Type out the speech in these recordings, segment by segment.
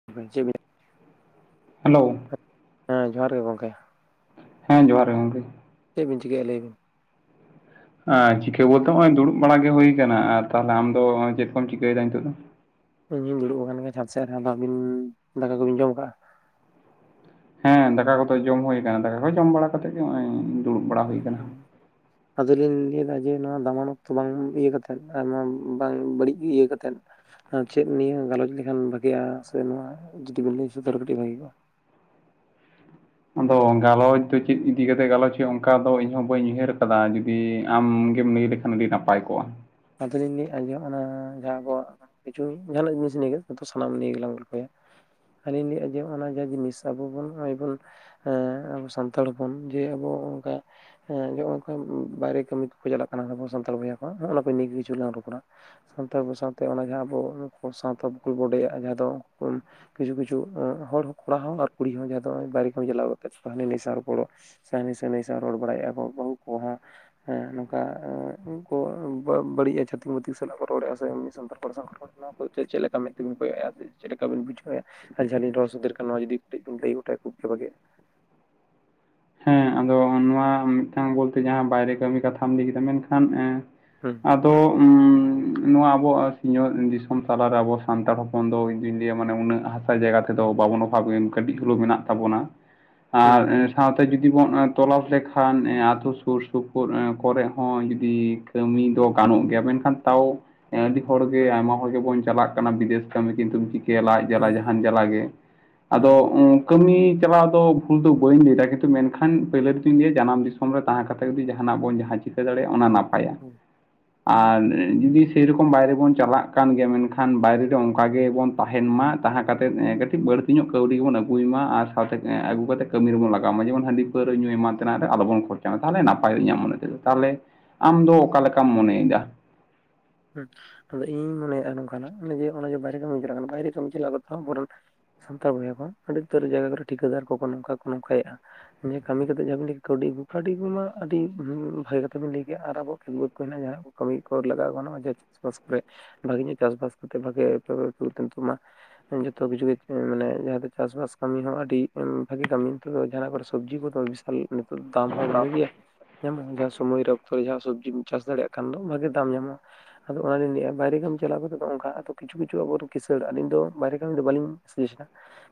[inaudible] Hello. ᱦᱮᱸ ᱡᱚᱦᱟᱨ ᱜᱮ ᱜᱚᱝᱠᱮ᱾ ᱦᱮᱸ ᱡᱚᱦᱟᱨ ᱜᱮ ᱜᱚᱝᱠᱮ᱾ ᱪᱮᱫ ᱵᱤᱱ ᱪᱤᱠᱟᱭᱮᱜ-ᱟ ᱞᱟᱹᱭ ᱵᱤᱱ? ᱟᱺᱭ ᱪᱤᱠᱟᱹ ᱵᱚᱞᱛᱮ ᱦᱚᱸᱜ-ᱚᱭ ᱫᱩᱲᱩᱵ ᱵᱟᱲᱟ ᱜᱮ ᱦᱩᱭ ᱠᱟᱱᱟ, ᱟᱨ ᱛᱟᱦᱚᱞᱮ ᱟᱢ ᱫᱚ ᱪᱮᱫ ᱠᱚᱢ ᱪᱤᱠᱟᱹᱭᱮᱫᱟ ᱱᱤᱛᱚᱜ ᱫᱚ? ᱤᱧ ᱦᱩᱧ ᱫᱩᱲᱩᱵ ᱟᱠᱟᱱ ᱜᱮᱭᱟ ᱪᱷᱟᱛ ᱥᱮᱫ ᱨᱮ, ᱟᱫᱚ ᱟᱹᱵᱤᱱ ᱫᱟᱠᱟ ᱠᱚᱵᱤᱱ ᱡᱚᱢ ᱠᱟᱜᱼᱟ? ᱦᱮᱸ ᱫᱟᱠᱟ ᱠᱚᱫᱚ ᱡᱚᱢ ᱦᱩᱭ ᱟᱠᱟᱱᱟ ᱫᱟᱠᱟ ᱠᱚ ᱡᱚᱢ ᱵᱟᱲᱟ ᱠᱟᱛᱮᱜ ᱜᱮ ᱦᱚᱸᱜ-ᱚᱭᱻ [unintelligible] ᱟᱫᱚ ᱞᱤᱧ ᱞᱟᱹᱭᱮᱫᱟ ᱡᱮ ᱱᱚᱣᱟ ᱫᱟᱢᱟᱱ ᱚᱠᱛᱚ ᱵᱟᱝ ᱤᱭᱟᱹ ᱠᱟᱛᱮᱫ ᱟᱭᱢᱟ ᱵᱟᱝ ᱵᱟᱹᱲᱤᱡ ᱜᱮ ᱤᱭᱟᱹ ᱠᱟᱛᱮᱫ, ᱟᱨ ᱪᱮᱫ ᱱᱤᱭᱟᱹ ᱜᱟᱞᱚᱪ ᱞᱮᱠᱷᱟᱱ ᱵᱷᱟᱜᱤᱜᱼᱟ ᱥᱮ ᱱᱚᱣᱟ ᱡᱩᱫᱤ ᱵᱮᱱ ᱞᱟᱹᱭ ᱥᱚᱫᱚᱨ ᱠᱟᱹᱴᱤᱡ ᱵᱷᱟᱜᱤ ᱠᱚᱜᱼᱟ᱾ ᱟᱫᱚ ᱜᱟᱞᱚᱪ ᱫᱚ ᱪᱮᱫ ᱤᱫᱤ ᱠᱟᱛᱮ ᱜᱟᱞᱚᱪ ᱦᱩᱭᱩᱜᱼᱟ ᱚᱝᱠᱟ ᱫᱚ ᱤᱧᱦᱚᱸ ᱵᱟᱹᱧ ᱩᱭᱦᱟᱹᱨ ᱟᱠᱟᱫᱟ ᱡᱩᱫᱤ ᱟᱢ ᱜᱮᱢ ᱞᱟᱹᱭ ᱞᱮ ᱠᱷᱟᱱ ᱟᱹᱰᱤ ᱱᱟᱯᱟᱭ ᱠᱚᱜᱼᱟ᱾ ᱟᱫᱚ ᱞᱤᱧ ᱞᱟᱹᱭᱮᱫᱼᱟ ᱡᱮ ᱦᱚᱸᱜ ᱱᱚᱣᱟ ᱡᱟᱦᱟᱸ ᱟᱵᱚᱣᱟᱜ ᱠᱤᱪᱷᱩ ᱡᱟᱦᱟᱸᱱᱟᱜ ᱡᱤᱱᱤᱥ ᱱᱤᱭᱮ ᱜᱮ, ᱱᱤᱛᱚᱜ ᱥᱟᱱᱟᱢ ᱱᱤᱭ ᱜᱮᱞᱟᱝ ᱜᱚᱞᱯᱷᱚᱭᱟ᱾ ᱟᱹᱞᱤᱧ ᱞᱟᱹᱭᱮᱜ-ᱟ ᱡᱮ ᱚᱱᱟ ᱡᱟ ᱡᱤᱱᱤᱥ ᱟᱵᱚ ᱵᱚᱱ ᱱᱚᱜᱼᱚᱭ ᱵᱚᱱ ᱦᱮᱸ ᱟᱵᱚ ᱥᱟᱱᱛᱟᱲ ᱦᱚᱯᱚᱱ ᱡᱮ ᱟᱵᱚ ᱚᱝᱠᱟ ᱦᱮᱸ [unintelligible] ᱵᱟᱭᱨᱮ ᱠᱟᱹᱢᱤ ᱠᱚᱠᱚ ᱪᱟᱞᱟᱜ ᱠᱟᱱᱟ ᱟᱵᱚ ᱥᱟᱱᱛᱟᱲ ᱵᱚᱭᱦᱟ ᱠᱚ, ᱚᱱᱟ ᱠᱚ ᱱᱤᱭᱟᱹ ᱠᱤᱪᱷᱩ ᱞᱟᱝ ᱨᱚᱯᱚᱲᱟ᱾ ᱥᱟᱝᱛᱮ ᱟᱵᱚ ᱥᱟᱶᱛᱮ ᱚᱱᱟ ᱡᱟᱦᱟᱸ ᱟᱵᱚ ᱥᱟᱶᱛᱟ ᱵᱚᱰᱮᱭᱟᱜᱼᱟ ᱡᱟᱦᱟᱸ ᱫᱚ [inaudible] ᱠᱤᱪᱷᱩ ᱠᱤᱪᱷᱩ ᱦᱚᱲ ᱠᱚᱲᱟ ᱦᱚᱸ ᱟᱨ ᱠᱩᱲᱤ ᱦᱚᱸ ᱡᱟᱦᱟᱸᱭ ᱫᱚ ᱵᱟᱭᱨᱮ ᱠᱟᱢᱤ ᱪᱟᱞᱟᱣ ᱠᱟᱛᱮᱜ ᱦᱟᱱᱤ ᱱᱟᱭ ᱥᱟᱶ ᱨᱚᱯᱚᱲᱚᱜ ᱦᱟᱱᱤ ᱥᱟᱝ ᱱᱟᱹᱭ ᱥᱟᱝ ᱨᱚᱲ ᱵᱟᱲᱟᱭᱮᱫᱼᱟ ᱠᱚ ᱵᱟᱹᱦᱩ ᱠᱚᱦᱚᱸ, ᱦᱮᱸ ᱱᱚᱝᱠᱟ ᱠᱚ ᱵᱟᱝ ᱵᱟᱹᱲᱤᱡᱼᱟ ᱪᱷᱟᱛᱤᱠ ᱢᱟᱛᱤᱠ ᱥᱟᱞᱟᱜ ᱵᱚᱱ ᱨᱚᱲᱮᱜ-ᱟ ᱥᱮ ᱮᱢᱱᱤ ᱥᱟᱱᱛᱟᱲ ᱠᱚ ᱠᱚᱲᱟ ᱥᱟᱶ [inaudible] [inaudible] ᱱᱚᱣᱟ ᱠᱚ ᱪᱮᱜ ᱪᱮᱫ ᱞᱮᱠᱟ ᱢᱮᱫ ᱛᱮᱵᱤᱱ ᱠᱚᱭᱚᱜᱮᱜ-ᱟ ᱥᱮ ᱪᱮᱫ ᱞᱮᱠᱟ ᱵᱤᱱ ᱵᱩᱡᱷᱟᱹᱭᱟ? ᱟᱨ ᱡᱟᱦᱟᱸ ᱞᱤᱧ ᱨᱚᱲ ᱥᱚᱫᱚᱨ ᱠᱮᱜ-ᱟ ᱱᱚᱣᱟ ᱡᱩᱫᱤ ᱠᱟᱹᱴᱤᱡ ᱵᱤᱱ ᱞᱟᱹᱭ ᱜᱚᱴᱟᱭᱟ ᱠᱷᱩᱵ ᱜᱮ ᱵᱷᱟᱹᱜᱮᱜ-ᱟ᱾ ᱦᱮᱸ ᱟᱫᱚ ᱱᱚᱣᱟ ᱢᱤᱫᱴᱟᱝ ᱵᱚᱞᱛᱮ ᱡᱟᱦᱟᱸ ᱵᱟᱭᱨᱮ ᱠᱟᱹᱢᱤ ᱠᱟᱛᱷᱟᱢ ᱞᱟᱹᱭ ᱠᱮᱫᱟ ᱢᱮᱱᱠᱷᱟᱱ ᱮᱸ ᱦᱩᱸ᱾ ᱟᱫᱚ ᱩᱸ ᱱᱚᱣᱟ ᱟᱵᱚᱣᱟᱜ ᱥᱤᱧ ᱚᱛ ᱫᱤᱥᱚᱢ ᱛᱟᱞᱟᱨᱮ ᱟᱵᱚ ᱥᱟᱱᱛᱟᱲ ᱦᱚᱯᱚᱱ ᱫᱚ ᱤᱧᱫᱩᱧ ᱞᱟᱹᱭᱟ ᱢᱟᱱᱮ ᱩᱱᱟᱹᱜ ᱦᱟᱥᱟ ᱡᱟᱭᱜᱟ ᱛᱮᱫᱚ ᱵᱟᱵᱚᱱ ᱚᱯᱷᱟᱵ ᱜᱮ ᱠᱟᱹᱴᱤᱡ ᱦᱳᱞᱳ ᱢᱮᱱᱟᱜ ᱛᱟᱵᱚᱱᱟ᱾ [inaudible] ᱟᱨ [inaudible] ᱥᱟᱶᱛᱮ ᱡᱩᱫᱤ ᱵᱚᱱ ᱮᱸ ᱛᱚᱞᱟᱥ ᱞᱮᱠᱷᱟᱱ ᱮᱸ ᱟᱛᱳ ᱥᱩᱨ ᱥᱩᱯᱩᱨ ᱮᱸ ᱠᱚᱨᱮᱜ ᱦᱚᱸ ᱡᱩᱫᱤ ᱠᱟᱹᱢᱤ ᱫᱚ ᱜᱟᱱᱚᱜ ᱜᱮᱭᱟ ᱢᱮᱱᱠᱷᱟᱱ ᱛᱟᱣ ᱮᱸ ᱟᱹᱰᱤ ᱦᱚᱲ ᱜᱮ ᱦᱩᱸ ᱟᱭᱢᱟ ᱦᱚᱲ ᱜᱮᱵᱚᱱ ᱪᱟᱞᱟᱜ ᱠᱟᱱᱟ ᱵᱤᱫᱮᱥ ᱠᱟᱹᱢᱤ ᱠᱤᱱᱛᱩᱢ ᱪᱤ ᱠᱚᱹᱭᱟ ᱞᱟᱡ ᱡᱟᱞᱟ ᱦᱩᱸ ᱡᱟᱦᱟᱱ ᱡᱟᱞᱟ ᱜᱮ, ᱦᱩᱸ ᱟᱫᱚ ᱩᱸ ᱠᱟᱹᱢᱤ ᱪᱟᱞᱟᱣ ᱫᱚ ᱵᱷᱩᱞ ᱫᱚ ᱵᱟᱹᱧ ᱞᱟᱹᱭ ᱫᱟ ᱠᱤᱱᱛᱩ ᱢᱮᱱᱠᱷᱟᱱ ᱯᱟᱹᱭᱞᱟᱹ ᱨᱮ ᱫᱩᱧ ᱞᱟᱹᱭᱟ ᱡᱟᱱᱟᱢ ᱫᱤᱥᱚᱢ ᱨᱮ ᱛᱟᱦᱮᱸ ᱠᱟᱛᱮ ᱡᱩᱫᱤ ᱡᱟᱦᱟᱱᱟᱜ ᱵᱚᱱ ᱡᱟᱦᱟᱸ ᱪᱤᱠᱟᱹ ᱫᱟᱲᱮᱭᱟᱜᱼᱟ ᱚᱱᱟ ᱱᱟ ᱯᱟᱭᱟ, ᱦᱩᱸ ᱦᱩᱸ ᱟᱨ ᱡᱩᱫᱤ ᱥᱮᱭᱨᱚᱠᱚᱢ ᱵᱟᱭᱨᱮ ᱵᱚᱱ ᱪᱟᱞᱟᱜ ᱠᱟᱱ ᱜᱮᱭᱟ ᱢᱮᱱᱠᱷᱟᱱ ᱵᱟᱭᱨᱮ ᱨᱮ ᱚᱱᱠᱟ ᱜᱮᱵᱚᱱ ᱛᱟᱦᱮᱱ ᱢᱟ ᱛᱟᱦᱮᱸ ᱠᱟᱛᱮᱫ ᱮᱸ ᱠᱟᱹᱴᱤᱡ ᱵᱟᱹᱲ ᱛᱤ ᱧᱚᱜ ᱠᱟᱹᱣᱰᱤ ᱜᱮᱵᱚᱱ ᱟᱹᱜᱩᱭ ᱢᱟ ᱟᱨ ᱥᱟᱶᱛᱮ ᱮᱸ ᱟᱹᱜᱩ ᱠᱟᱛᱮ ᱠᱟᱹᱢᱤ ᱨᱮᱵᱚᱱ ᱞᱟᱜ ᱜᱟᱣ ᱢᱟ ᱡᱮᱢᱚᱱ ᱦᱟᱺᱰᱤ ᱯᱟᱹᱣᱨᱟᱹ ᱧᱩ ᱮᱢᱟᱱ ᱛᱮᱱᱟᱜ ᱨᱮ ᱟᱞᱚᱵᱚᱱ ᱠᱷᱚᱨᱪᱟᱭ ᱢᱟ ᱛᱟᱦᱚᱞᱮ ᱱᱟᱯᱟᱭᱚᱜᱼᱟ ᱤᱧᱟᱹᱜ ᱢᱚᱱᱮ ᱛᱮᱫᱚ, ᱛᱟᱦᱚᱞᱮ ᱟᱢ ᱫᱚ ᱚᱠᱟ ᱞᱮᱠᱟᱢ ᱢᱚᱱᱮᱭᱮᱫᱟ? ᱦᱮᱸ ᱟᱫᱚ ᱤᱧᱤᱧ ᱢᱚᱱᱮᱭᱮᱼᱟ ᱱᱚᱝᱠᱟ ᱱᱟᱜ, ᱚᱱᱮ ᱡᱮ ᱚᱱᱮ ᱡᱮ ᱵᱟᱭᱨᱮ ᱠᱟᱹᱢᱤᱢ ᱪᱟᱞᱟᱜ ᱠᱟᱱᱟ ᱵᱟᱭᱨᱮ ᱠᱟᱹᱢᱤ ᱪᱟᱞᱟᱣ ᱠᱟᱛᱮ ᱦᱚᱸ ᱵᱚᱨᱚᱱ ᱥᱟᱱᱛᱟᱲ ᱵᱚᱭᱦᱟ ᱠᱚ, ᱟᱹᱰᱤ ᱩᱛᱟᱹᱨ ᱡᱟᱭᱜᱟ ᱠᱚᱨᱮ ᱴᱷᱤᱠᱟᱹᱫᱟᱨ ᱠᱚᱠᱚ ᱱᱚᱝᱠᱟ ᱠᱚ ᱱᱚᱝᱠᱟᱭᱮᱜᱼᱟ ᱡᱮ ᱠᱟᱹᱢᱤ ᱠᱟᱛᱮᱜ ᱡᱟᱦᱟᱸ ᱵᱤᱱ ᱞᱟᱹᱭ ᱠᱮᱫᱟ ᱠᱟᱹᱣᱰᱤ ᱟᱹᱜᱩ ᱠᱟᱹᱣᱰᱤ ᱟᱹᱜᱩ ᱢᱟ ᱟᱹᱰᱤ ᱩᱸ ᱵᱷᱟᱜᱮ ᱠᱟᱛᱷᱟ ᱵᱤᱱ ᱞᱟᱹᱭ ᱠᱮᱜ-ᱟ ᱟᱨ ᱟᱵᱚᱣᱟᱜ ᱠᱷᱮᱛ ᱵᱟᱹᱫᱽ ᱠᱚ ᱦᱮᱱᱟᱜᱼᱟ ᱡᱟᱦᱟᱸ ᱱᱟᱜ ᱠᱚ ᱠᱟᱹᱢᱤ ᱠᱚ ᱞᱟᱜᱟᱣ ᱜᱟᱱᱚᱜᱼᱟ ᱡᱟᱦᱟᱸ ᱪᱟᱥ ᱵᱟᱥ ᱠᱚᱨᱮᱜ ᱵᱷᱟᱜᱮ ᱧᱚᱜ ᱪᱟᱥ ᱵᱟᱥ ᱠᱟᱛᱮᱜ ᱵᱷᱟᱜᱮ [unintelligible] ᱡᱚᱛᱚ ᱠᱤᱪᱷᱩ ᱜᱮ ᱢᱟᱱᱮ ᱡᱟᱦᱟᱸ ᱛᱮ ᱪᱟᱥᱵᱟᱥ ᱠᱟᱹᱢᱤ ᱦᱚᱸ ᱟᱹᱰᱤ ᱵᱷᱟᱜᱮ ᱠᱟᱹᱢᱤ ᱛᱚ ᱡᱟᱦᱟᱱᱟᱜ ᱠᱚᱨᱮ ᱥᱚᱵᱽᱡᱤ ᱠᱚᱫᱚ ᱵᱤᱥᱟᱞ ᱱᱤᱛᱚᱜ ᱫᱚ ᱫᱟᱢ ᱦᱚᱸ ᱵᱷᱟᱜ ᱜᱮᱭᱟ, ᱧᱟᱢᱚᱜᱼᱟ ᱡᱟᱦᱟᱸ ᱥᱚᱢᱚᱭ ᱨᱮ ᱚᱠᱛᱚ ᱨᱮ ᱡᱟᱦᱟᱸ ᱥᱚᱵᱽᱡᱤᱢ ᱪᱟᱥ ᱫᱟᱲᱮᱭᱟᱜ ᱠᱷᱟᱱ ᱫᱚ ᱵᱷᱟᱜᱮ ᱜᱮ ᱫᱟᱢ ᱧᱟᱢᱚᱜᱼᱟ᱾ ᱟᱫᱚ ᱚᱱᱟᱞᱤᱧ ᱞᱟᱹᱭᱮᱫᱼᱟ ᱵᱟᱭᱨᱮ ᱠᱟᱹᱢᱤ ᱪᱟᱞᱟᱣ ᱠᱟᱛᱮ ᱫᱚ ᱚᱱᱠᱟ ᱟᱫᱚ ᱠᱤᱪᱷᱩ ᱠᱤᱪᱷᱩ ᱟᱵᱚ ᱨᱮ ᱠᱤᱥᱟᱹᱬ ᱟᱹᱞᱤᱧ ᱫᱚ ᱵᱟᱭᱨᱮ ᱠᱟᱹᱢᱤ ᱫᱚ ᱵᱟᱞᱤᱧ ᱥᱟᱡᱮᱥ ᱥᱟ,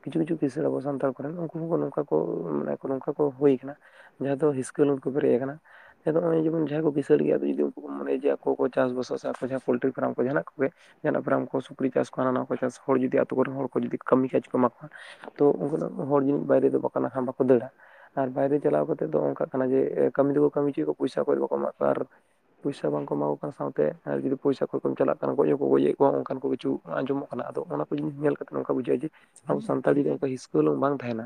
ᱠᱤᱪᱷᱩ ᱠᱤᱪᱷᱩ ᱠᱤᱥᱟᱹᱬ ᱟᱵᱚ ᱥᱟᱱᱛᱟᱲ ᱠᱚᱨᱮᱱ ᱩᱱᱠᱩ ᱦᱚᱸᱠᱚ ᱱᱚᱝᱠᱟ ᱠᱚ ᱢᱟᱱᱮ ᱱᱚᱝᱠᱟ ᱠᱟ ᱦᱩᱭ ᱟᱠᱟᱱᱟ ᱡᱟᱦᱟᱸ ᱫᱚ ᱦᱤᱥᱠᱟᱹᱦᱩᱞᱩᱝ ᱠᱚ ᱯᱮᱨᱮᱡ ᱟᱠᱟᱱᱟ᱾ ᱟᱫᱚ ᱦᱚᱸᱜᱼᱚᱭ ᱡᱮᱢᱚᱱ ᱡᱟᱦᱟᱸᱭ ᱠᱚ ᱠᱤᱥᱟᱹᱬ ᱜᱮᱭᱟ ᱟᱫᱚ ᱡᱩᱫᱤ ᱩᱱᱠᱩ ᱠᱚ ᱢᱚᱱᱮᱭᱟ ᱡᱮ ᱟᱠᱚ ᱠᱚ ᱪᱟᱥᱵᱟᱥᱟ ᱥᱮ ᱡᱟᱦᱟᱸ ᱟᱠᱚ ᱡᱟᱦᱟᱸ ᱯᱳᱞᱴᱨᱤ ᱯᱷᱟᱨᱟᱢ ᱠᱚ ᱡᱟᱦᱟᱱᱟᱜ ᱠᱚᱜᱮ ᱡᱟᱦᱟᱱᱟᱜ ᱯᱷᱚᱨᱟᱢ ᱠᱚ ᱥᱩᱠᱨᱤ ᱪᱟᱥ ᱠᱚ ᱦᱟᱱᱟ ᱱᱟᱣᱟ ᱠᱚ ᱪᱟᱥ ᱦᱚᱲ ᱡᱩᱫᱤ ᱟᱛᱳ ᱠᱚᱨᱮᱱ ᱦᱚᱲ ᱠᱚ ᱡᱩᱫᱤ ᱠᱚ ᱠᱟᱹᱢᱤ ᱠᱟᱡᱽ ᱠᱚ ᱮᱢᱟ ᱠᱚᱣᱟ, ᱟᱫᱟ [inaudible] ᱦᱚᱲ ᱡᱟᱱᱤᱡ ᱵᱟᱭᱨᱮ ᱫᱚ ᱵᱟᱠᱚ ᱱᱟᱜᱠᱷᱟᱱ ᱵᱟᱠᱚ ᱫᱟᱹᱲᱟ᱾ ᱟᱨ ᱵᱟᱭᱨᱮ ᱪᱟᱞᱟᱣ ᱠᱟᱛᱮᱫ ᱫᱚ ᱚᱱᱠᱟᱜ ᱠᱟᱱᱟ ᱡᱮ ᱠᱟᱹᱢᱤ ᱫᱚᱠᱚ ᱠᱟᱹᱢᱤ ᱦᱚᱪᱚᱭᱮᱫ ᱠᱚᱣᱟ ᱯᱩᱭᱥᱟ ᱚᱠᱚᱭ ᱦᱚᱸ ᱵᱟᱠᱚ ᱮᱢᱟᱠᱚᱣᱟ ᱟᱨ ᱯᱩᱭᱥᱟ ᱵᱟᱝᱠᱚ ᱮᱢᱟ ᱠᱚ ᱠᱟᱱᱟ ᱥᱟᱶᱛᱮ ᱟᱨ ᱡᱩᱫᱤ ᱯᱚᱭᱥᱟ ᱠᱷᱚᱭ ᱠᱚᱢ ᱪᱟᱞᱟᱜ ᱠᱟᱱᱟ ᱜᱚᱡ ᱦᱚᱸᱠᱚ ᱜᱚᱡᱮᱫ ᱠᱚᱣᱟ ᱚᱝᱠᱟᱱ ᱠᱚᱜᱮ᱾ ᱪᱩ ᱟᱸᱡᱚᱢᱚᱜ ᱠᱟᱱᱟ ᱟᱫᱚ ᱚᱱᱟ ᱠᱚ ᱡᱤᱱᱤᱥ ᱧᱮᱞ ᱠᱟᱛᱮ ᱱᱚᱝᱠᱟ ᱵᱩᱡᱷᱟᱹᱜᱼᱟ ᱡᱮ ᱟᱵᱚ ᱥᱟᱱᱛᱟᱲᱤ ᱨᱮ ᱚᱱᱠᱟ ᱦᱤᱥᱠᱟᱹ ᱦᱩᱞᱩᱝ ᱵᱟᱝ ᱛᱟᱦᱮᱱᱟ᱾